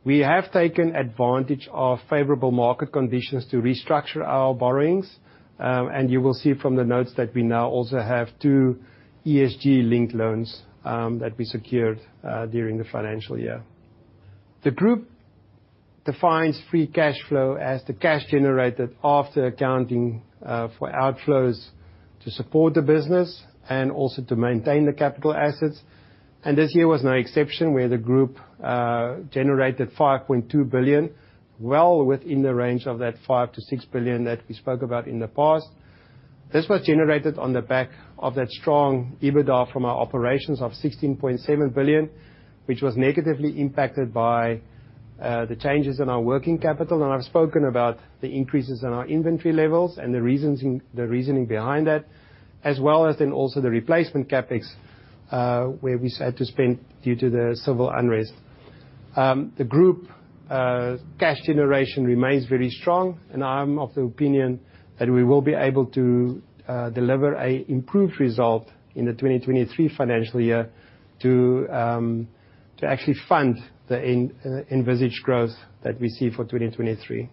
We have taken advantage of favorable market conditions to restructure our borrowings, and you will see from the notes that we now also have two ESG-linked loans that we secured during the financial year. The group defines free cash flow as the cash generated after accounting for outflows to support the business and also to maintain the capital assets. This year was no exception, where the group generated 5.2 billion, well within the range of that 5 billion-6 billion that we spoke about in the past. This was generated on the back of that strong EBITDA from our operations of 16.7 billion, which was negatively impacted by the changes in our working capital. I've spoken about the increases in our inventory levels and the reasons, the reasoning behind that, as well as then also the replacement CapEx, where we had to spend due to the civil unrest. The group cash generation remains very strong, and I'm of the opinion that we will be able to deliver a improved result in the 2023 financial year to actually fund the envisaged growth that we see for 2023.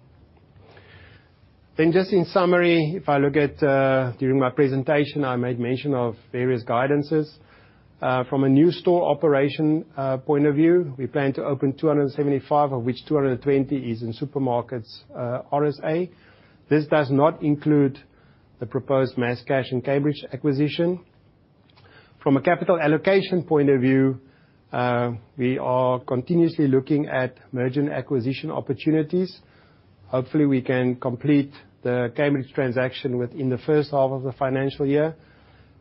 Just in summary, if I look at during my presentation, I made mention of various guidances. From a new store operation point of view, we plan to open 275, of which 220 is in supermarkets RSA. This does not include the proposed Masscash and Cambridge acquisition. From a capital allocation point of view, we are continuously looking at merger and acquisition opportunities. Hopefully, we can complete the Cambridge transaction within the first half of the financial year.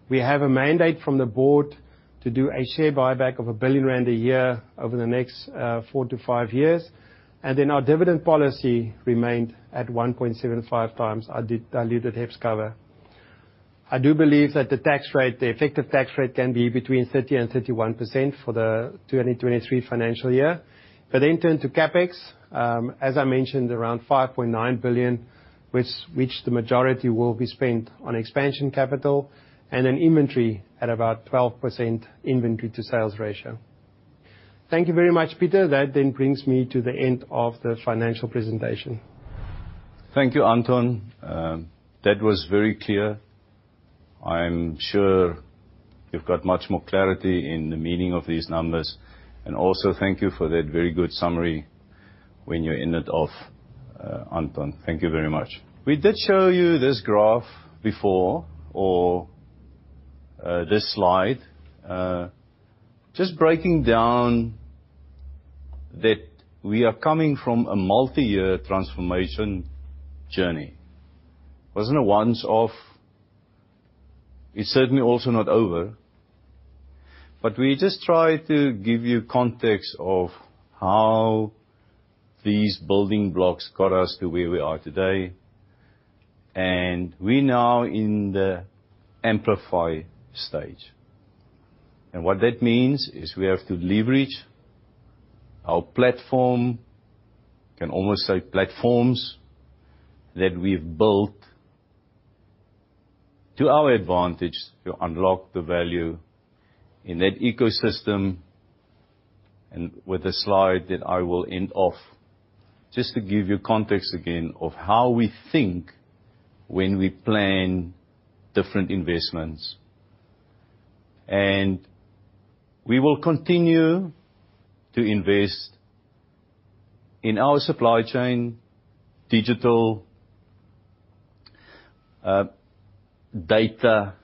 We have a mandate from the board to do a share buyback of 1 billion rand a year over the next four to five years. Our dividend policy remained at 1.75x our diluted HEPS cover. I do believe that the tax rate, the effective tax rate can be between 30%-31% for the 2023 financial year. Turn to CapEx, as I mentioned, around 5.9 billion, which the majority will be spent on expansion capital and an inventory at about 12% inventory to sales ratio. Thank you very much, Pieter. That then brings me to the end of the financial presentation. Thank you, Anton. That was very clear. I'm sure you've got much more clarity in the meaning of these numbers. Also thank you for that very good summary when you ended off, Anton. Thank you very much. We did show you this graph before, or this slide. Just breaking down that we are coming from a multi-year transformation journey. It wasn't a once off. It's certainly also not over. We just try to give you context of how these building blocks got us to where we are today, and we're now in the amplify stage. What that means is we have to leverage our platform, can almost say platforms, that we've built to our advantage to unlock the value in that ecosystem and with the slide that I will end off, just to give you context again of how we think when we plan different investments. We will continue to invest in our supply chain, digital, data,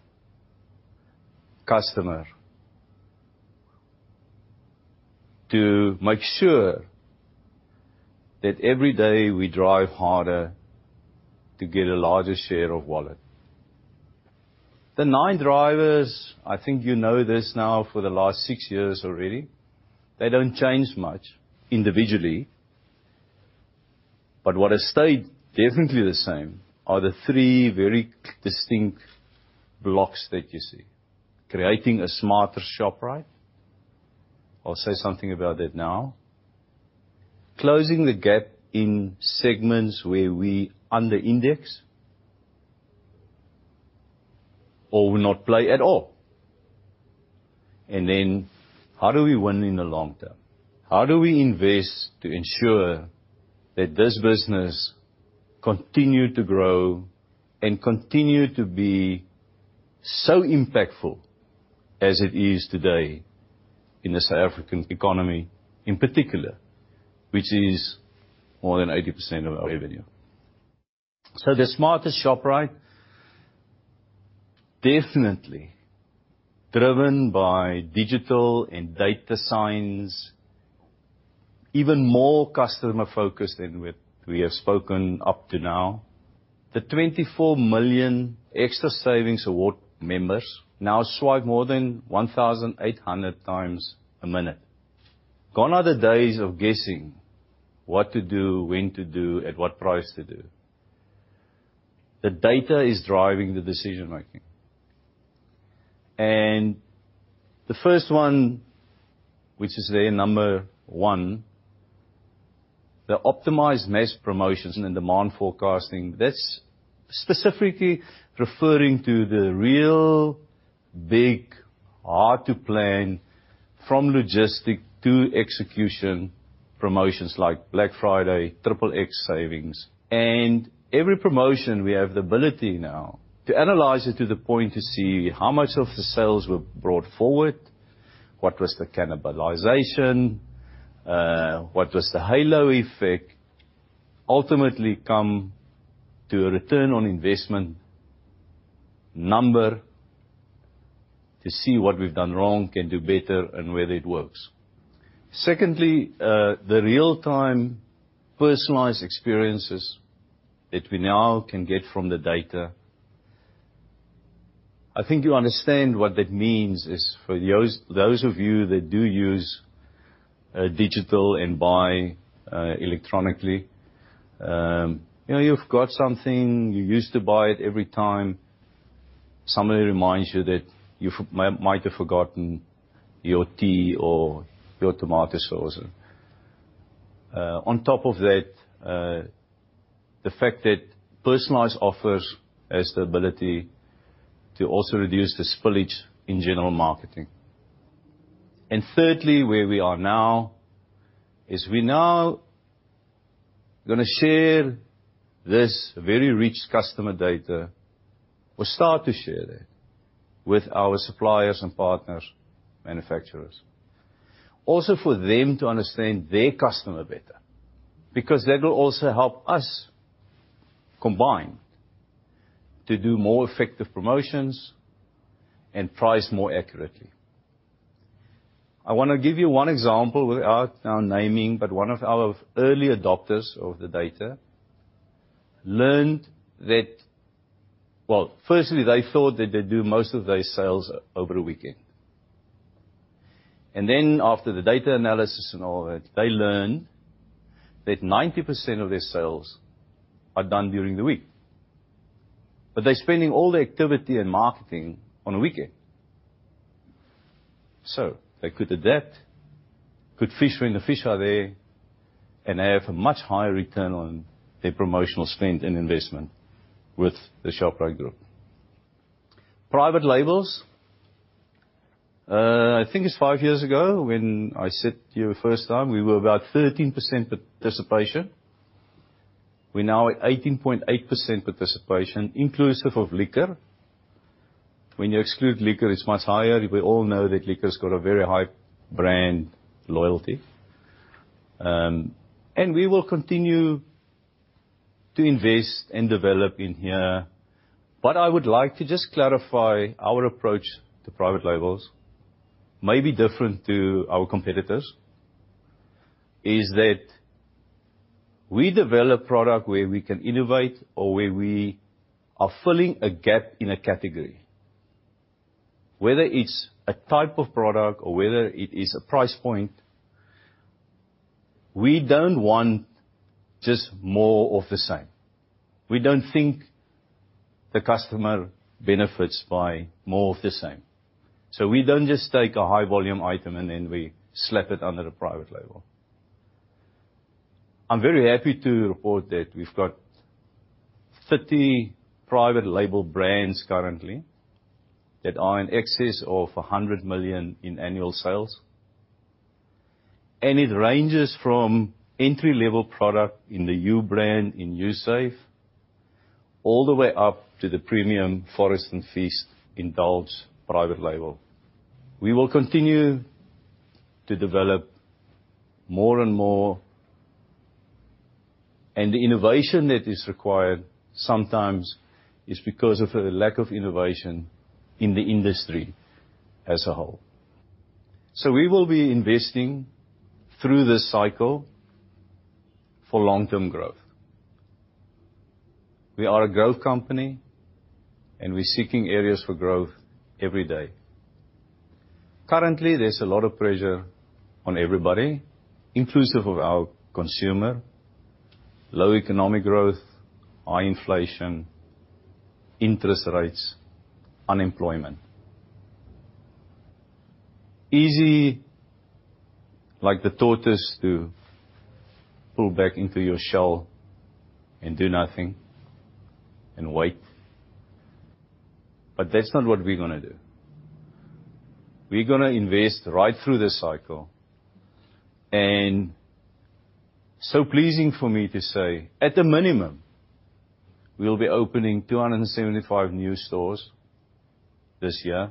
customer, to make sure that every day we drive harder to get a larger share of wallet. The nine drivers, I think you know this now for the last six years already, they don't change much individually. What has stayed definitely the same are the three very distinct blocks that you see. Creating a smarter Shoprite. I'll say something about that now. Closing the gap in segments where we under index or will not play at all. How do we win in the long term? How do we invest to ensure that this business continue to grow and continue to be so impactful as it is today in the South African economy, in particular, which is more than 80% of our revenue. The smarter Shoprite definitely driven by digital and data science, even more customer-focused than what we have spoken up to now. The 24 million Xtra Savings award members now swipe more than 1,800 times a minute. Gone are the days of guessing what to do, when to do, at what price to do. The data is driving the decision-making. The first one, which is their number one, the optimized mass promotions and demand forecasting. That's specifically referring to the real big, hard to plan from logistics to execution promotions like Black Friday, Triple Xtra Savings. Every promotion we have the ability now to analyze it to the point to see how much of the sales were brought forward, what was the cannibalization, what was the halo effect, ultimately come to a return on investment number to see what we've done wrong, can do better and whether it works. Secondly, the real-time personalized experiences that we now can get from the data. I think you understand what that means is for those of you that do use digital and buy electronically, you know, you've got something, you used to buy it every time. Somebody reminds you that you might have forgotten your tea or your tomato sauce. On top of that, the fact that personalized offers has the ability to also reduce the spillage in general marketing. Thirdly, where we are now is we now gonna share this very rich customer data or start to share that with our suppliers and partners, manufacturers, also for them to understand their customer better because that will also help us combine to do more effective promotions and price more accurately. I wanna give you one example without now naming, but one of our early adopters of the data learned that. Well, firstly, they thought that they do most of their sales over a weekend. Then after the data analysis and all that, they learned that 90% of their sales are done during the week. They're spending all the activity and marketing on a weekend. They could adapt, could fish when the fish are there, and have a much higher return on their promotional spend and investment with the Shoprite Group. Private labels. I think it's five years ago when I said to you the first time, we were about 13% participation. We're now at 18.8% participation, inclusive of liquor. When you exclude liquor, it's much higher. We all know that liquor's got a very high brand loyalty. We will continue to invest and develop in here. But I would like to just clarify our approach to private labels may be different to our competitors, is that we develop product where we can innovate or where we are filling a gap in a category, whether it's a type of product or whether it is a price point. We don't want just more of the same. We don't think the customer benefits by more of the same. We don't just take a high volume item, and then we slap it under a private label. I'm very happy to report that we've got 30 private label brands currently that are in excess of 100 million in annual sales. It ranges from entry-level product in the Ubrand, in Usave, all the way up to the premium Forage and Feast Indulge private label. We will continue to develop more and more. The innovation that is required sometimes is because of a lack of innovation in the industry as a whole. We will be investing through this cycle for long-term growth. We are a growth company, and we're seeking areas for growth every day. Currently, there's a lot of pressure on everybody, inclusive of our consumer, low economic growth, high inflation, interest rates, unemployment. Easy, like the tortoise, to pull back into your shell and do nothing and wait. That's not what we're gonna do. We're gonna invest right through this cycle and it's so pleasing for me to say, at a minimum, we'll be opening 275 new stores this year,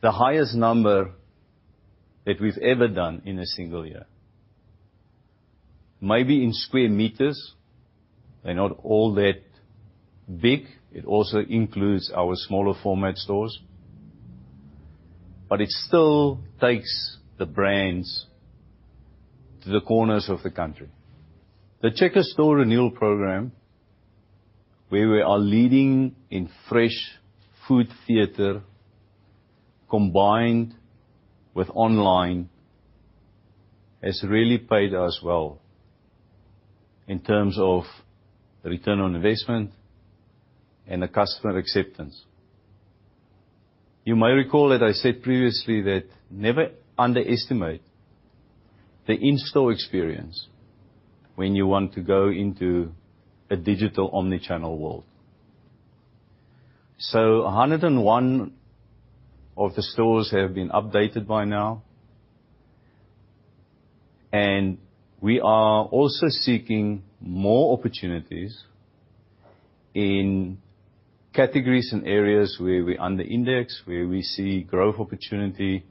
the highest number that we've ever done in a single year. Maybe in square meters, they're not all that big. It also includes our smaller format stores. It still takes the brands to the corners of the country. The Checkers Store renewal program, where we are leading in fresh food theater combined with online, has really paid us well in terms of the return on investment and the customer acceptance. You may recall that I said previously that never underestimate the in-store experience when you want to go into a digital omni-channel world. 101 of the stores have been updated by now. We are also seeking more opportunities in categories and areas where we under index, where we see growth opportunity,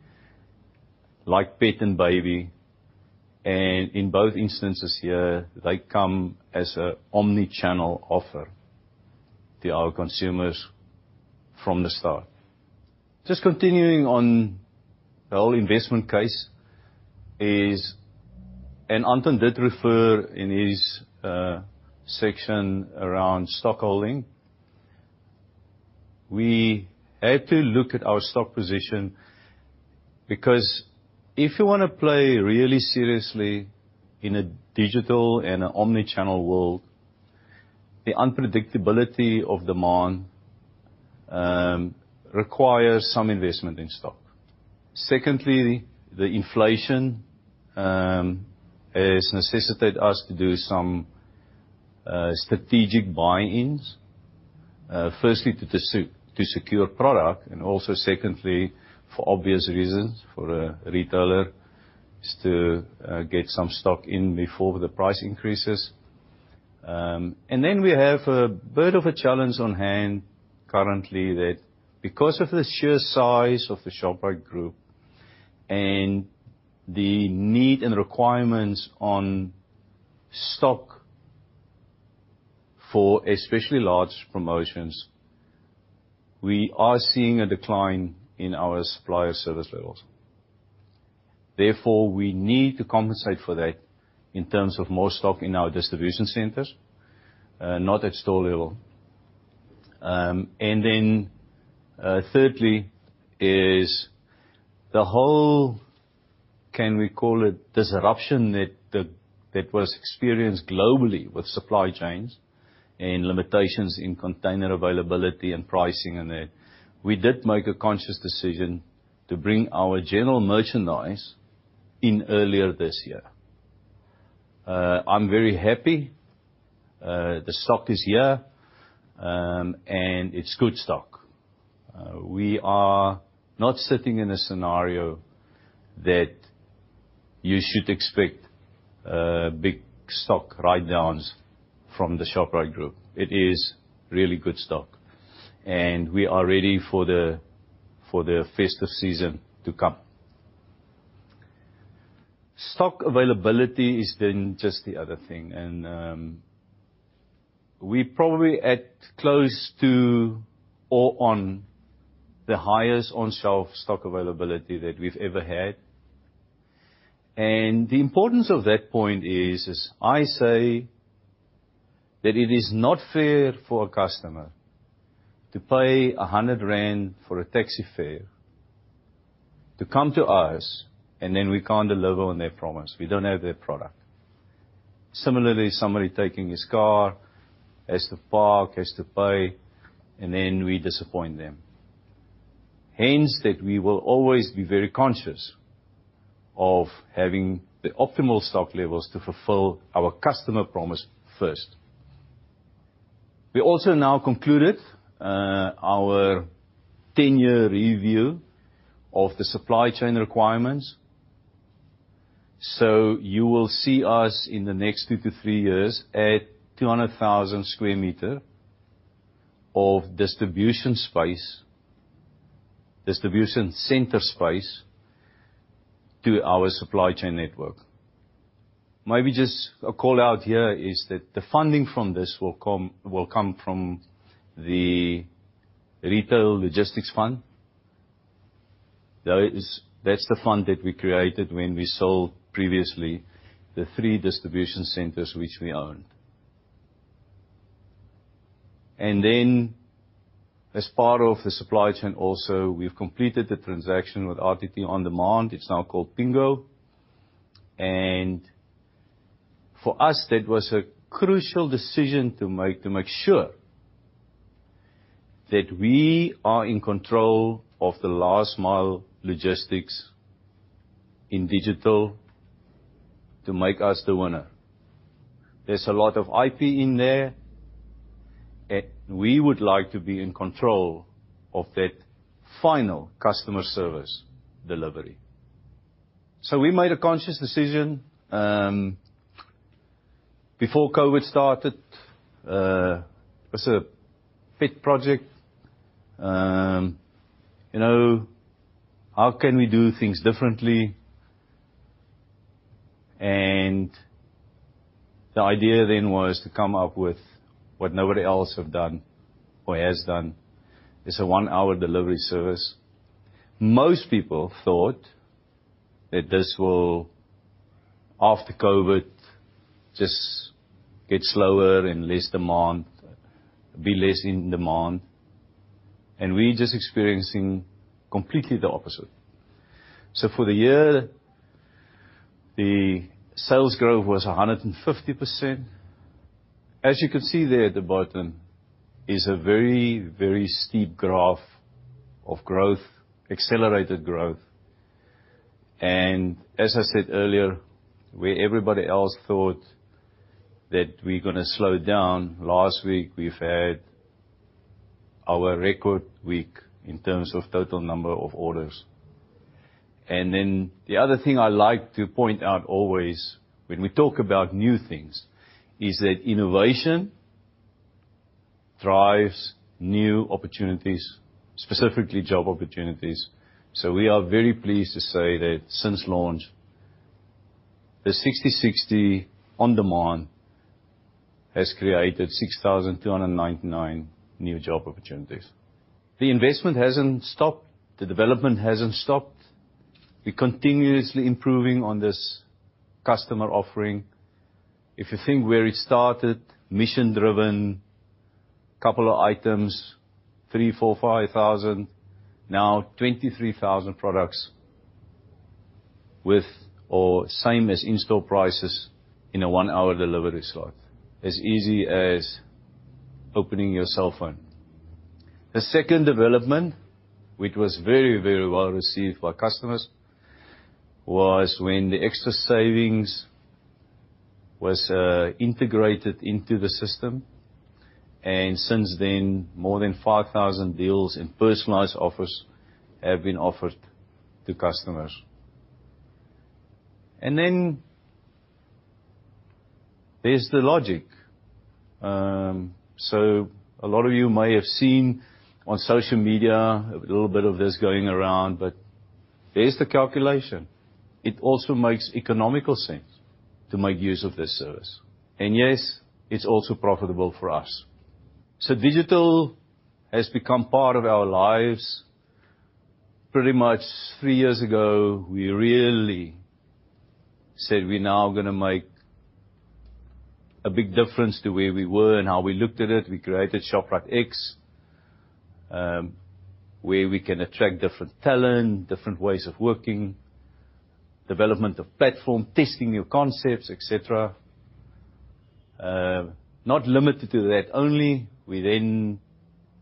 like pet and baby. In both instances here, they come as an omni-channel offer to our consumers from the start. Just continuing on the whole investment case, Anton did refer in his section around stock holding. We had to look at our stock position because if you wanna play really seriously in a digital and an omni-channel world, the unpredictability of demand requires some investment in stock. Secondly, the inflation has necessitated us to do some strategic buy-ins. Firstly to secure product and also secondly, for obvious reasons for a retailer, is to get some stock in before the price increases. We have a bit of a challenge on hand currently that because of the sheer size of the Shoprite Group and the need and requirements on stock for especially large promotions, we are seeing a decline in our supplier service levels. Therefore, we need to compensate for that in terms of more stock in our distribution centers, not at store level. Thirdly is the whole, can we call it disruption that was experienced globally with supply chains and limitations in container availability and pricing and that. We did make a conscious decision to bring our general merchandise in earlier this year. I'm very happy, the stock is here, and it's good stock. We are not sitting in a scenario that you should expect, big stock write-downs from the Shoprite Group. It is really good stock, and we are ready for the festive season to come. Stock availability is then just the other thing, and we're probably at close to or on the highest on-shelf stock availability that we've ever had. The importance of that point is, as I say, that it is not fair for a customer to pay 100 rand for a taxi fare to come to us, and then we can't deliver on their promise. We don't have their product. Similarly, somebody taking his car, has to park, has to pay, and then we disappoint them. Hence that we will always be very conscious of having the optimal stock levels to fulfill our customer promise first. We also now concluded our 10-year review of the supply chain requirements. You will see us in the next two to three years at 200,000 sq m of distribution space, distribution center space to our supply chain network. Maybe just a call-out here is that the funding from this will come from the Retail Logistics Fund. That's the fund that we created when we sold previously the three distribution centers which we owned. As part of the supply chain also, we've completed the transaction with RTT On-Demand. It's now called Pingo. For us, that was a crucial decision to make, to make sure that we are in control of the last mile logistics in digital to make us the winner. There's a lot of IP in there, and we would like to be in control of that final customer service delivery. We made a conscious decision before COVID started. It was a pet project. You know, how can we do things differently? The idea then was to come up with what nobody else have done or has done, is a one-hour delivery service. Most people thought that this will, after COVID, just get slower and less demand, be less in demand, and we're just experiencing completely the opposite. For the year, the sales growth was 150%. As you can see there at the bottom is a very, very steep graph of growth, accelerated growth. As I said earlier, where everybody else thought that we're gonna slow down, last week, we've had our record week in terms of total number of orders. The other thing I like to point out always when we talk about new things is that innovation drives new opportunities, specifically job opportunities. We are very pleased to say that since launch, the Sixty60 on-demand has created 6,299 new job opportunities. The investment hasn't stopped. The development hasn't stopped. We're continuously improving on this customer offering. If you think where it started, mission-driven, couple of items, 3,000-5,000, now 23 products with the same as in-store prices in a one-hour delivery slot, as easy as opening your cell phone. The second development, which was very, very well received by customers, was when the Xtra Savings was integrated into the system, and since then, more than 5,000 deals and personalized offers have been offered to customers. There's the logic. A lot of you may have seen on social media a little bit of this going around, but there's the calculation. It also makes economic sense to make use of this service. Yes, it's also profitable for us. Digital has become part of our lives. Pretty much three years ago, we really said we now gonna make a big difference to where we were and how we looked at it. We created ShopriteX, where we can attract different talent, different ways of working, development of platform, testing new concepts, et cetera. Not limited to that only, we then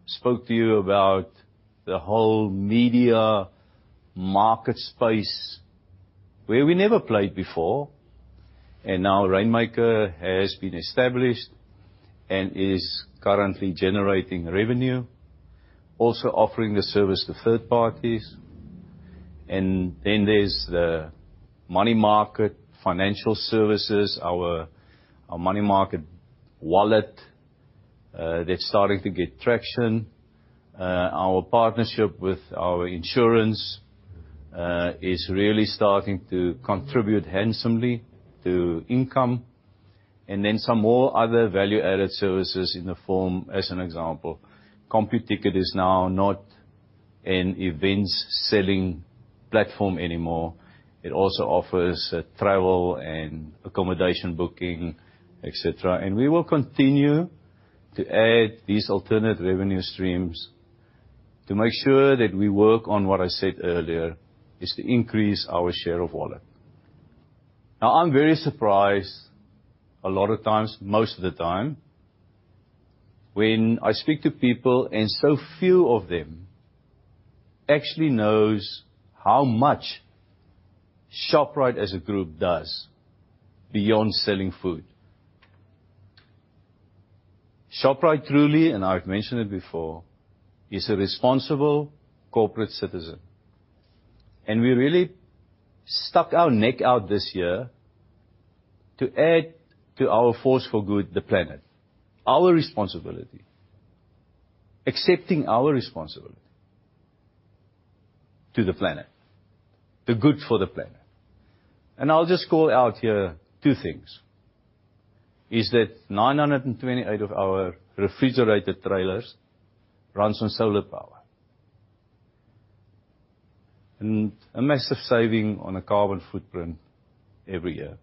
spoke to you about the whole media market space where we never played before. Now Rainmaker has been established and is currently generating revenue, also offering the service to third parties. There's the money market, financial services, our money market wallet, that's starting to get traction. Our partnership with our insurance is really starting to contribute handsomely to income. Some more other value-added services in the form, as an example, Computicket is now not an events selling platform anymore. It also offers, travel and accommodation booking, et cetera. We will continue to add these alternate revenue streams to make sure that we work on what I said earlier, is to increase our share of wallet. Now, I'm very surprised a lot of times, most of the time, when I speak to people and so few of them actually knows how much Shoprite as a group does beyond selling food. Shoprite truly, and I've mentioned it before, is a responsible corporate citizen. We really stuck our neck out this year to add to our force for good the planet, our responsibility, accepting our responsibility to the planet, the good for the planet. I'll just call out here two things, is that 928 of our refrigerated trailers runs on solar power, and a massive saving on a carbon footprint every year.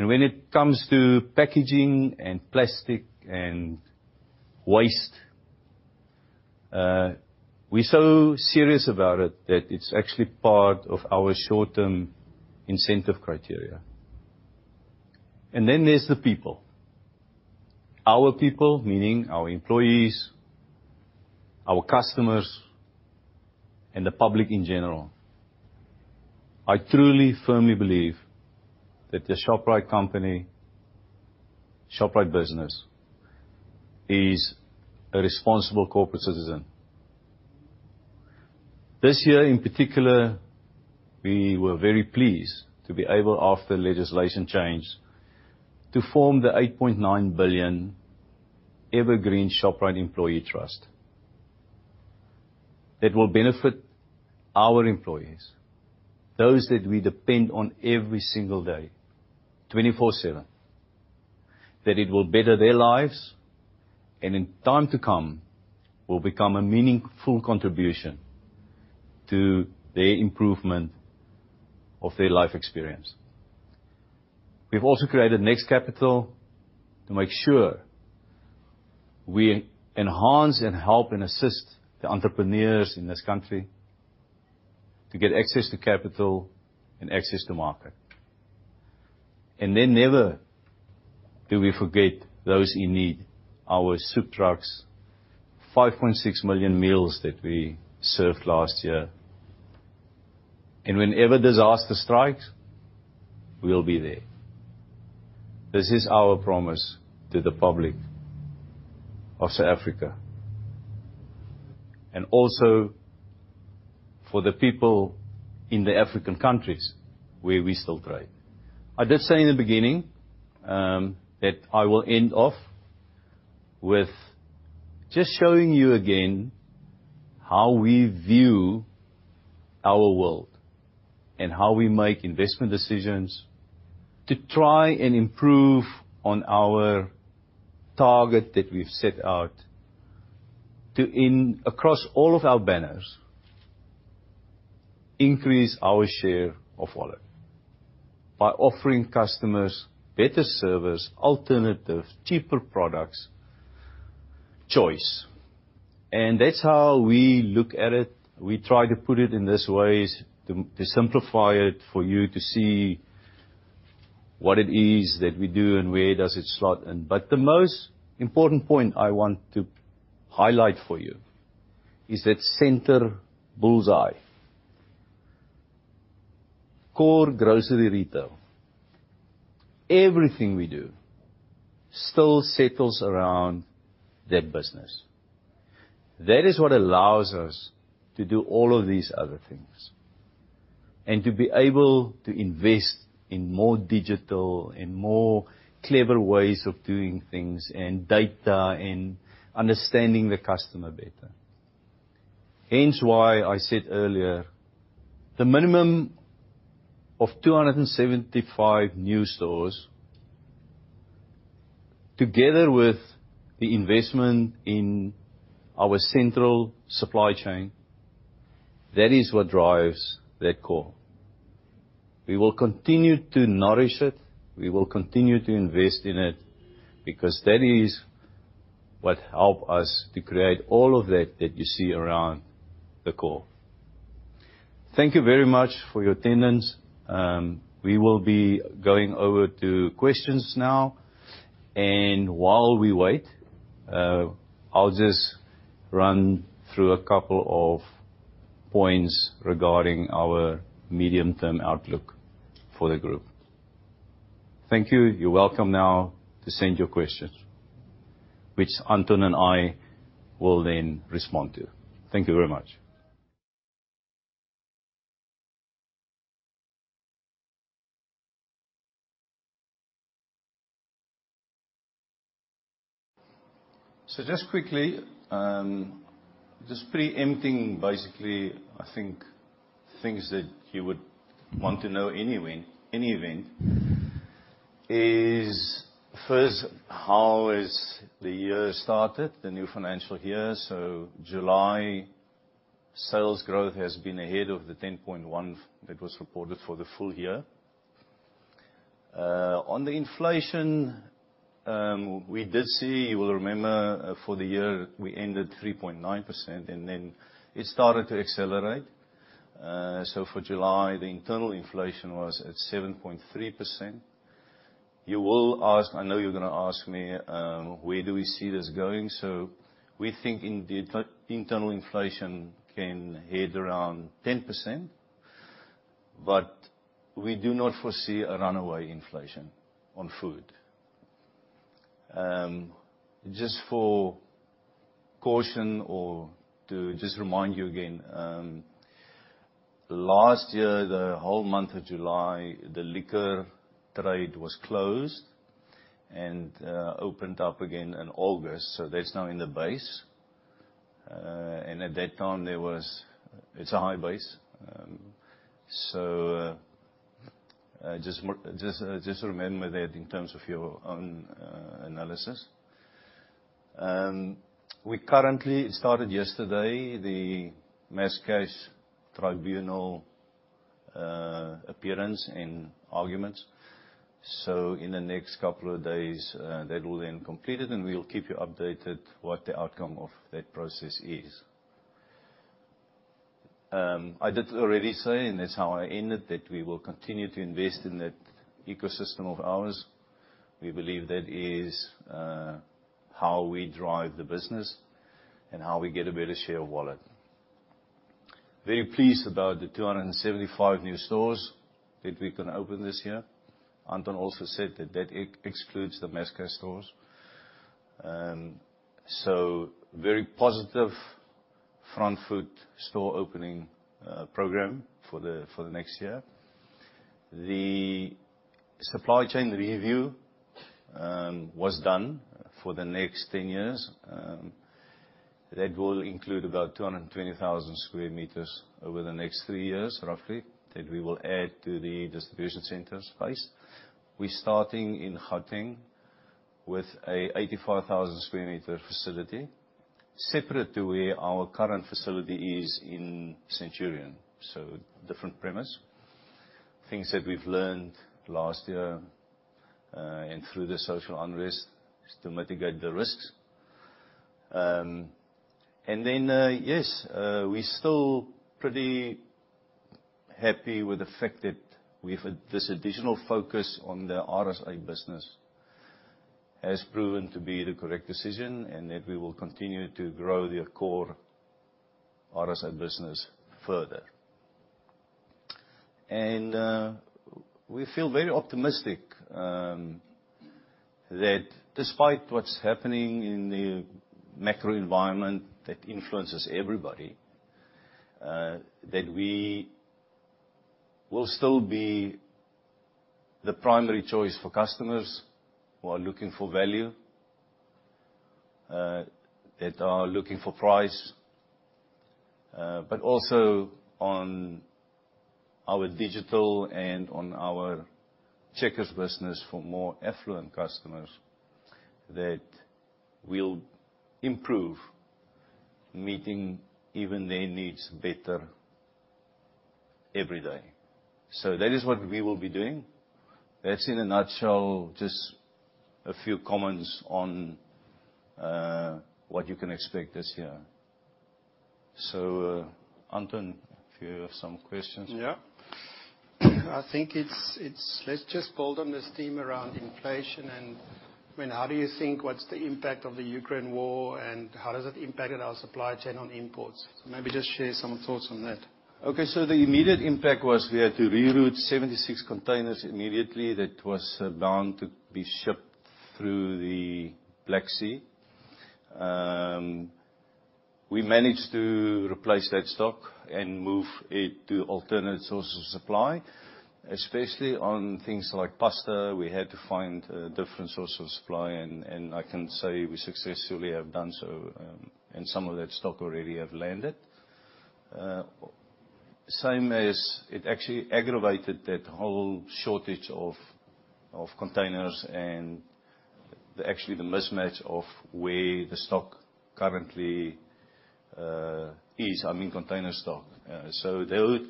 When it comes to packaging and plastic and waste, we're so serious about it that it's actually part of our short-term incentive criteria. Then there's the people. Our people, meaning our employees, our customers, and the public in general. I truly firmly believe that the Shoprite company, Shoprite business is a responsible corporate citizen. This year in particular, we were very pleased to be able, after legislation changed, to form the 8.9 billion evergreen Shoprite Employee Trust that will benefit our employees, those that we depend on every single day, 24/7. That it will better their lives and in time to come, will become a meaningful contribution to their improvement of their life experience. We've also created Shoprite Next Capital to make sure we enhance and help and assist the entrepreneurs in this country to get access to capital and access to market. Never do we forget those in need. Our soup trucks, 5.6 million meals that we served last year. Whenever disaster strikes, we'll be there. This is our promise to the public of South Africa, and also for the people in the African countries where we still trade. I did say in the beginning that I will end off with just showing you again how we view our world and how we make investment decisions to try and improve on our target that we've set out to in, across all of our banners, increase our share of wallet by offering customers better service, alternatives, cheaper products, choice. That's how we look at it. We try to put it in these ways to simplify it for you to see what it is that we do and where does it slot in. The most important point I want to highlight for you is that center bullseye. Core grocery retail. Everything we do still settles around that business. That is what allows us to do all of these other things, and to be able to invest in more digital and more clever ways of doing things and data and understanding the customer better. Hence why I said earlier, the minimum of 275 new stores, together with the investment in our central supply chain, that is what drives that core. We will continue to nourish it. We will continue to invest in it, because that is what help us to create all of that you see around the core. Thank you very much for your attendance. We will be going over to questions now. While we wait, I'll just run through a couple of points regarding our medium-term outlook for the group. Thank you. You're welcome now to send your questions, which Anton and I will then respond to. Thank you very much. Just quickly, just preempting basically, I think, things that you would want to know anyway. In any event, first is how has the year started, the new financial year. July sales growth has been ahead of the 10.1% that was reported for the full year. On the inflation, we did see, you will remember, for the year, we ended 3.9%, and then it started to accelerate. For July, the internal inflation was at 7.3%. You will ask. I know you're gonna ask me, where do we see this going? We think indeed, internal inflation can head around 10%, but we do not foresee a runaway inflation on food. Just for caution or to just remind you again, last year, the whole month of July, the liquor trade was closed and opened up again in August, so that's now in the base. At that time, there was. It's a high base. Just remember that in terms of your own analysis. We currently started yesterday, the Masscash Tribunal appearance and arguments. In the next couple of days, that will then be completed, and we will keep you updated what the outcome of that process is. I did already say, and that's how I ended, that we will continue to invest in that ecosystem of ours. We believe that is how we drive the business and how we get a better share of wallet. Very pleased about the 275 new stores that we're gonna open this year. Anton also said that excludes the Masscash stores. Very positive front foot store opening program for the next year. The supply chain review was done for the next 10 years that will include about 220,000 sq m over the next three years roughly that we will add to the distribution center space. We're starting in Gauteng with an 85,000 sq m facility, separate to where our current facility is in Centurion, so different premises. Things that we've learned last year and through the social unrest is to mitigate the risks. Yes, we're still pretty happy with the fact that we've had this additional focus on the RSA business has proven to be the correct decision and that we will continue to grow the core RSA business further. We feel very optimistic that despite what's happening in the macro environment that influences everybody that we will still be the primary choice for customers who are looking for value that are looking for price but also on our digital and on our Checkers business for more affluent customers that we'll improve meeting even their needs better every day. That is what we will be doing. That's in a nutshell just a few comments on what you can expect this year. Anton, if you have some questions. Yeah. I think it's. Let's just build on this theme around inflation and, I mean, how do you think, what's the impact of the Ukraine war and how has it impacted our supply chain on imports? Maybe just share some thoughts on that. Okay. The immediate impact was we had to reroute 76 containers immediately that was bound to be shipped through the Black Sea. We managed to replace that stock and move it to alternate sources of supply, especially on things like pasta, we had to find a different source of supply and I can say we successfully have done so, and some of that stock already have landed. Same as it actually aggravated that whole shortage of containers and the mismatch of where the stock currently is, I mean, container stock. That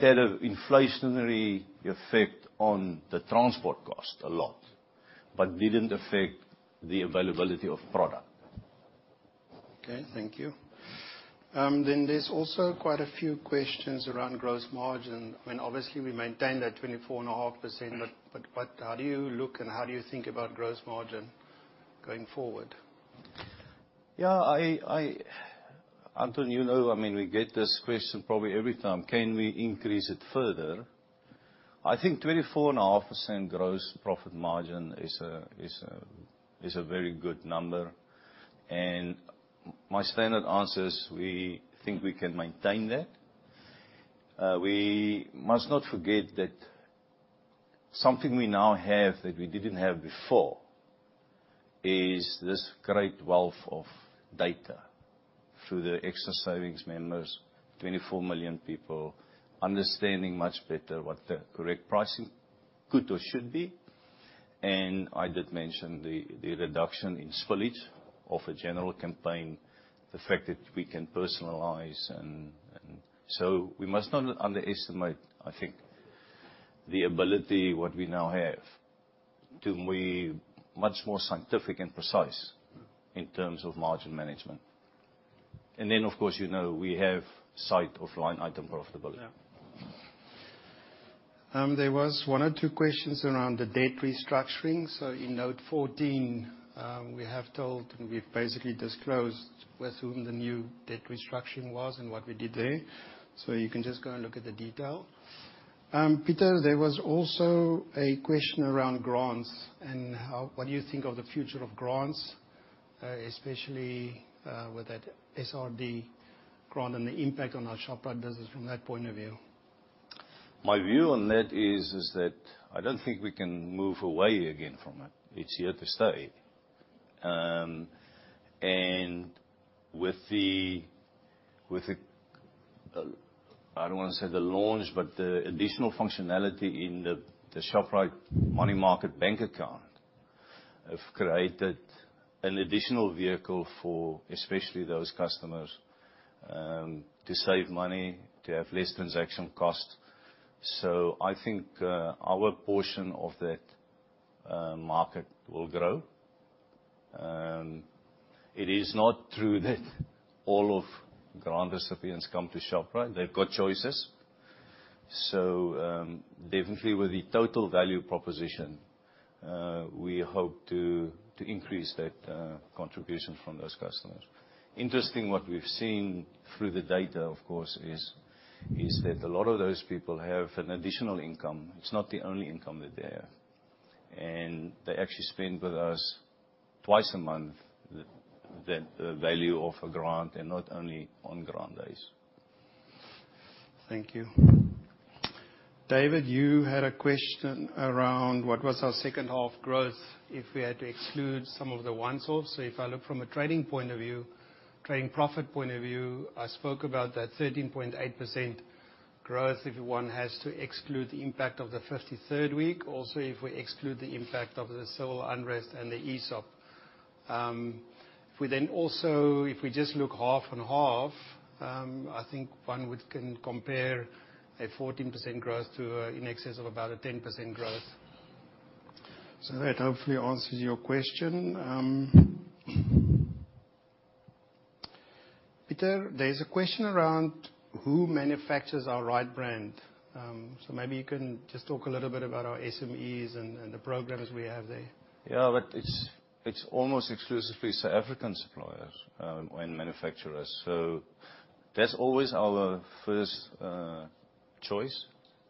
had an inflationary effect on the transport cost a lot, but didn't affect the availability of product. Okay, thank you. There's also quite a few questions around gross margin. I mean, obviously we maintain that 24.5%. Mm. How do you look and how do you think about gross margin going forward? I, Anton, you know, I mean, we get this question probably every time, can we increase it further? I think 24.5% gross profit margin is a very good number. My standard answer is we think we can maintain that. We must not forget that something we now have that we didn't have before is this great wealth of data through the Xtra Savings members, 24 million people, understanding much better what the correct pricing could or should be. I did mention the reduction in spillage of a general campaign, the fact that we can personalize and. So we must not underestimate, I think, the ability what we now have to be much more scientific and precise. Mm. In terms of margin management. Of course, you know, we have sight of line item profitability. Yeah. There was one or two questions around the debt restructuring. In note 14, we have told and we've basically disclosed with whom the new debt restructuring was and what we did there. You can just go and look at the detail. Pieter, there was also a question around grants and what do you think of the future of grants, especially, with that SRD grant and the impact on our Shoprite business from that point of view? My view on that is that I don't think we can move away again from it. It's here to stay. With the, I don't wanna say the launch, but the additional functionality in the Shoprite money market bank account have created an additional vehicle for especially those customers to save money, to have less transaction costs. I think our portion of that market will grow. It is not true that all of grant recipients come to Shoprite. They've got choices. Definitely with the total value proposition, we hope to increase that contribution from those customers. Interesting what we've seen through the data, of course, is that a lot of those people have an additional income. It's not the only income that they have. They actually spend with us twice a month the value of a grant and not only on grant days. Thank you. David, you had a question around what was our second half growth if we had to exclude some of the one-offs. If I look from a trading point of view, trading profit point of view, I spoke about that 13.8% growth if one has to exclude the impact of the 53rd week, also if we exclude the impact of the civil unrest and the ESOP. If we just look half and half, I think one can compare a 14% growth to, in excess of about a 10% growth. That hopefully answers your question. Pieter, there's a question around who manufactures our Ritebrand. Maybe you can just talk a little bit about our SMEs and the programs we have there. Yeah. It's almost exclusively South African suppliers and manufacturers. That's always our first choice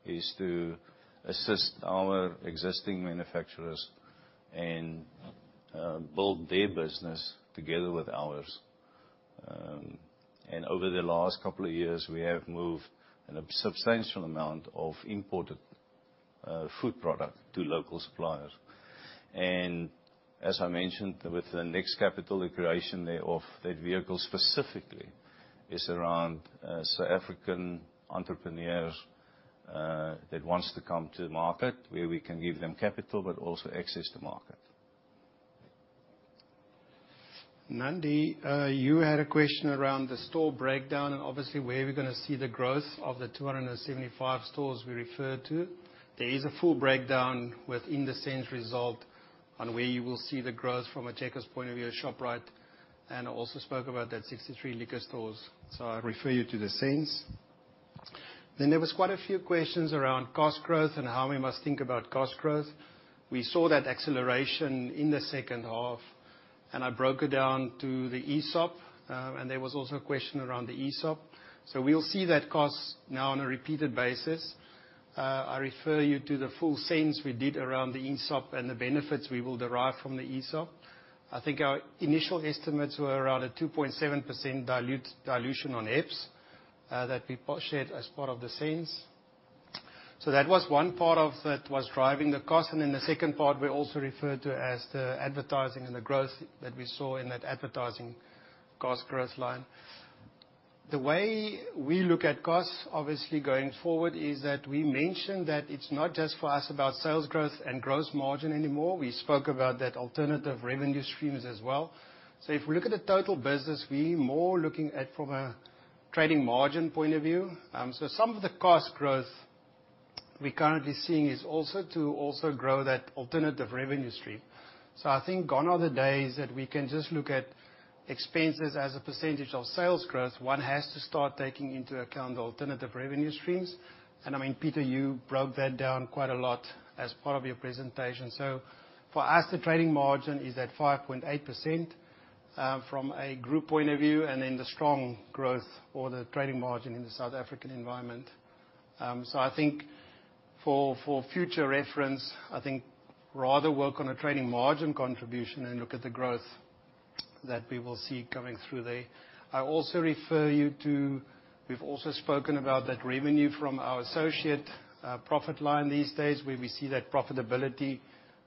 is to assist our existing manufacturers and build their business together with ours. Over the last couple of years, we have moved in a substantial amount of imported food product to local suppliers. As I mentioned, with the Next Capital allocation thereof that vehicle specifically is around South African entrepreneurs that wants to come to market, where we can give them capital but also access to market. Nandi, you had a question around the store breakdown and obviously where we're gonna see the growth of the 275 stores we referred to. There is a full breakdown within the SENS results on where you will see the growth from a Checkers point of view or Shoprite, and I also spoke about that 63 liquor stores. I refer you to the SENS. There was quite a few questions around cost growth and how we must think about cost growth. We saw that acceleration in the second half, and I broke it down to the ESOP, and there was also a question around the ESOP. We'll see that cost now on a repeated basis. I refer you to the full SENS we did around the ESOP and the benefits we will derive from the ESOP. I think our initial estimates were around a 2.7% dilution on EPS, that we shared as part of the SENS. That was one part that was driving the cost. Then the second part we also referred to as the advertising and the growth that we saw in that advertising cost growth line. The way we look at costs, obviously going forward, is that we mentioned that it's not just for us about sales growth and gross margin anymore. We spoke about that alternative revenue streams as well. If we look at the total business, we more looking at from a trading margin point of view. Some of the cost growth we're currently seeing is also to grow that alternative revenue stream. I think gone are the days that we can just look at expenses as a percentage of sales growth. One has to start taking into account the alternative revenue streams. I mean, Pieter, you broke that down quite a lot as part of your presentation. For us, the trading margin is at 5.8%, from a group point of view, and then the strong growth or the trading margin in the South African environment. I think for future reference, I think rather work on a trading margin contribution and look at the growth that we will see coming through there. We've also spoken about that revenue from our associate profit line these days, where we see that profitability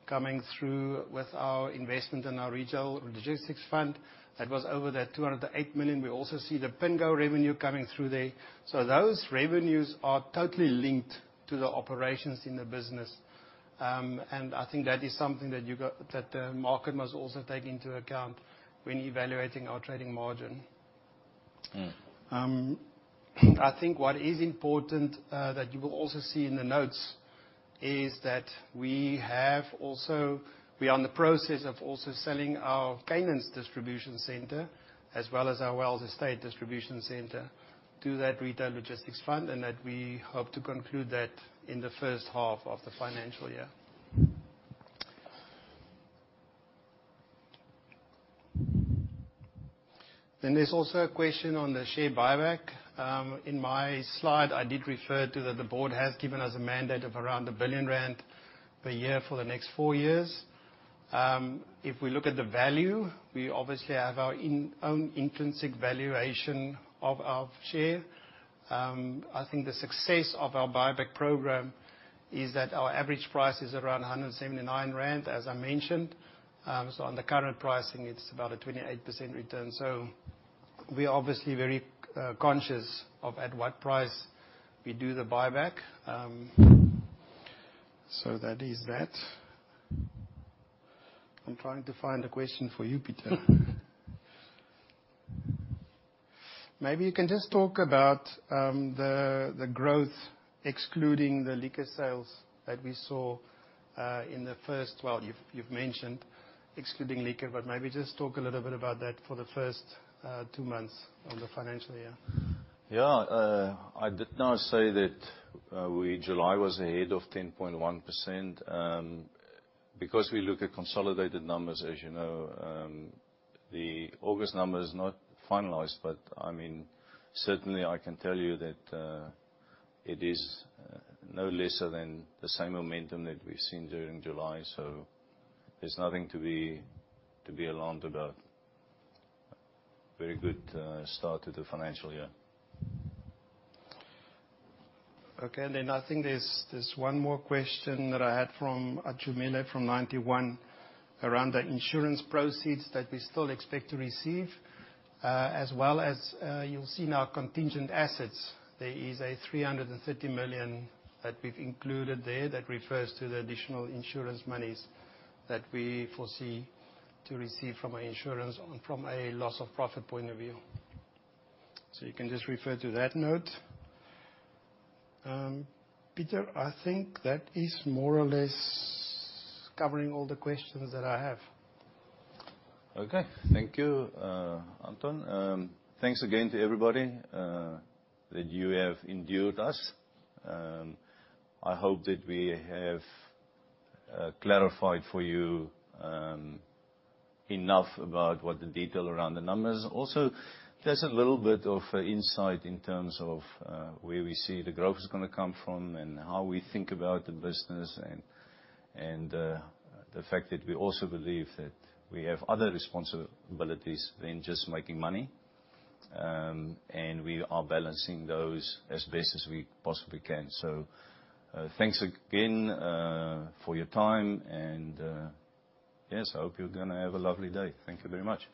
coming through with our investment in our Retail Logistics Fund. That was over the 208 million. We also see the Pingo revenue coming through there. Those revenues are totally linked to the operations in the business. I think that is something that the market must also take into account when evaluating our trading margin. Mm. I think what is important that you will also see in the notes is that we are in the process of also selling our Canelands distribution center as well as our Waltloo distribution center to that Retail Logistics Fund, and that we hope to conclude that in the first half of the financial year. There's also a question on the share buyback. In my slide I did refer to that the Board has given us a mandate of around 1 billion rand per year for the next four years. If we look at the value, we obviously have our own intrinsic valuation of our share. I think the success of our buyback program is that our average price is around 179 rand, as I mentioned. On the current pricing, it's about a 28% return. We're obviously very conscious of at what price we do the buyback. That is that. I'm trying to find a question for you, Pieter. Maybe you can just talk about the growth excluding the liquor sales that we saw, well, you've mentioned excluding liquor, but maybe just talk a little bit about that for the first two months of the financial year. Yeah. I did now say that July was ahead of 10.1%, because we look at consolidated numbers, as you know. The August number is not finalized, but I mean, certainly I can tell you that it is no lesser than the same momentum that we've seen during July. There's nothing to be alarmed about. Very good start to the financial year. Okay. I think there's one more question that I had from Achumile from Ninety One around the insurance proceeds that we still expect to receive, as well as, you'll see in our contingent assets, there is 330 million that we've included there that refers to the additional insurance monies that we foresee to receive from our insurance, from a loss of profit point of view. You can just refer to that note. Pieter, I think that is more or less covering all the questions that I have. Okay. Thank you, Anton. Thanks again to everybody that you have endured us. I hope that we have clarified for you enough about what the detail around the numbers. Also, there's a little bit of insight in terms of where we see the growth is gonna come from and how we think about the business and the fact that we also believe that we have other responsibilities than just making money. And we are balancing those as best as we possibly can. Thanks again for your time and yes, I hope you're gonna have a lovely day. Thank you very much.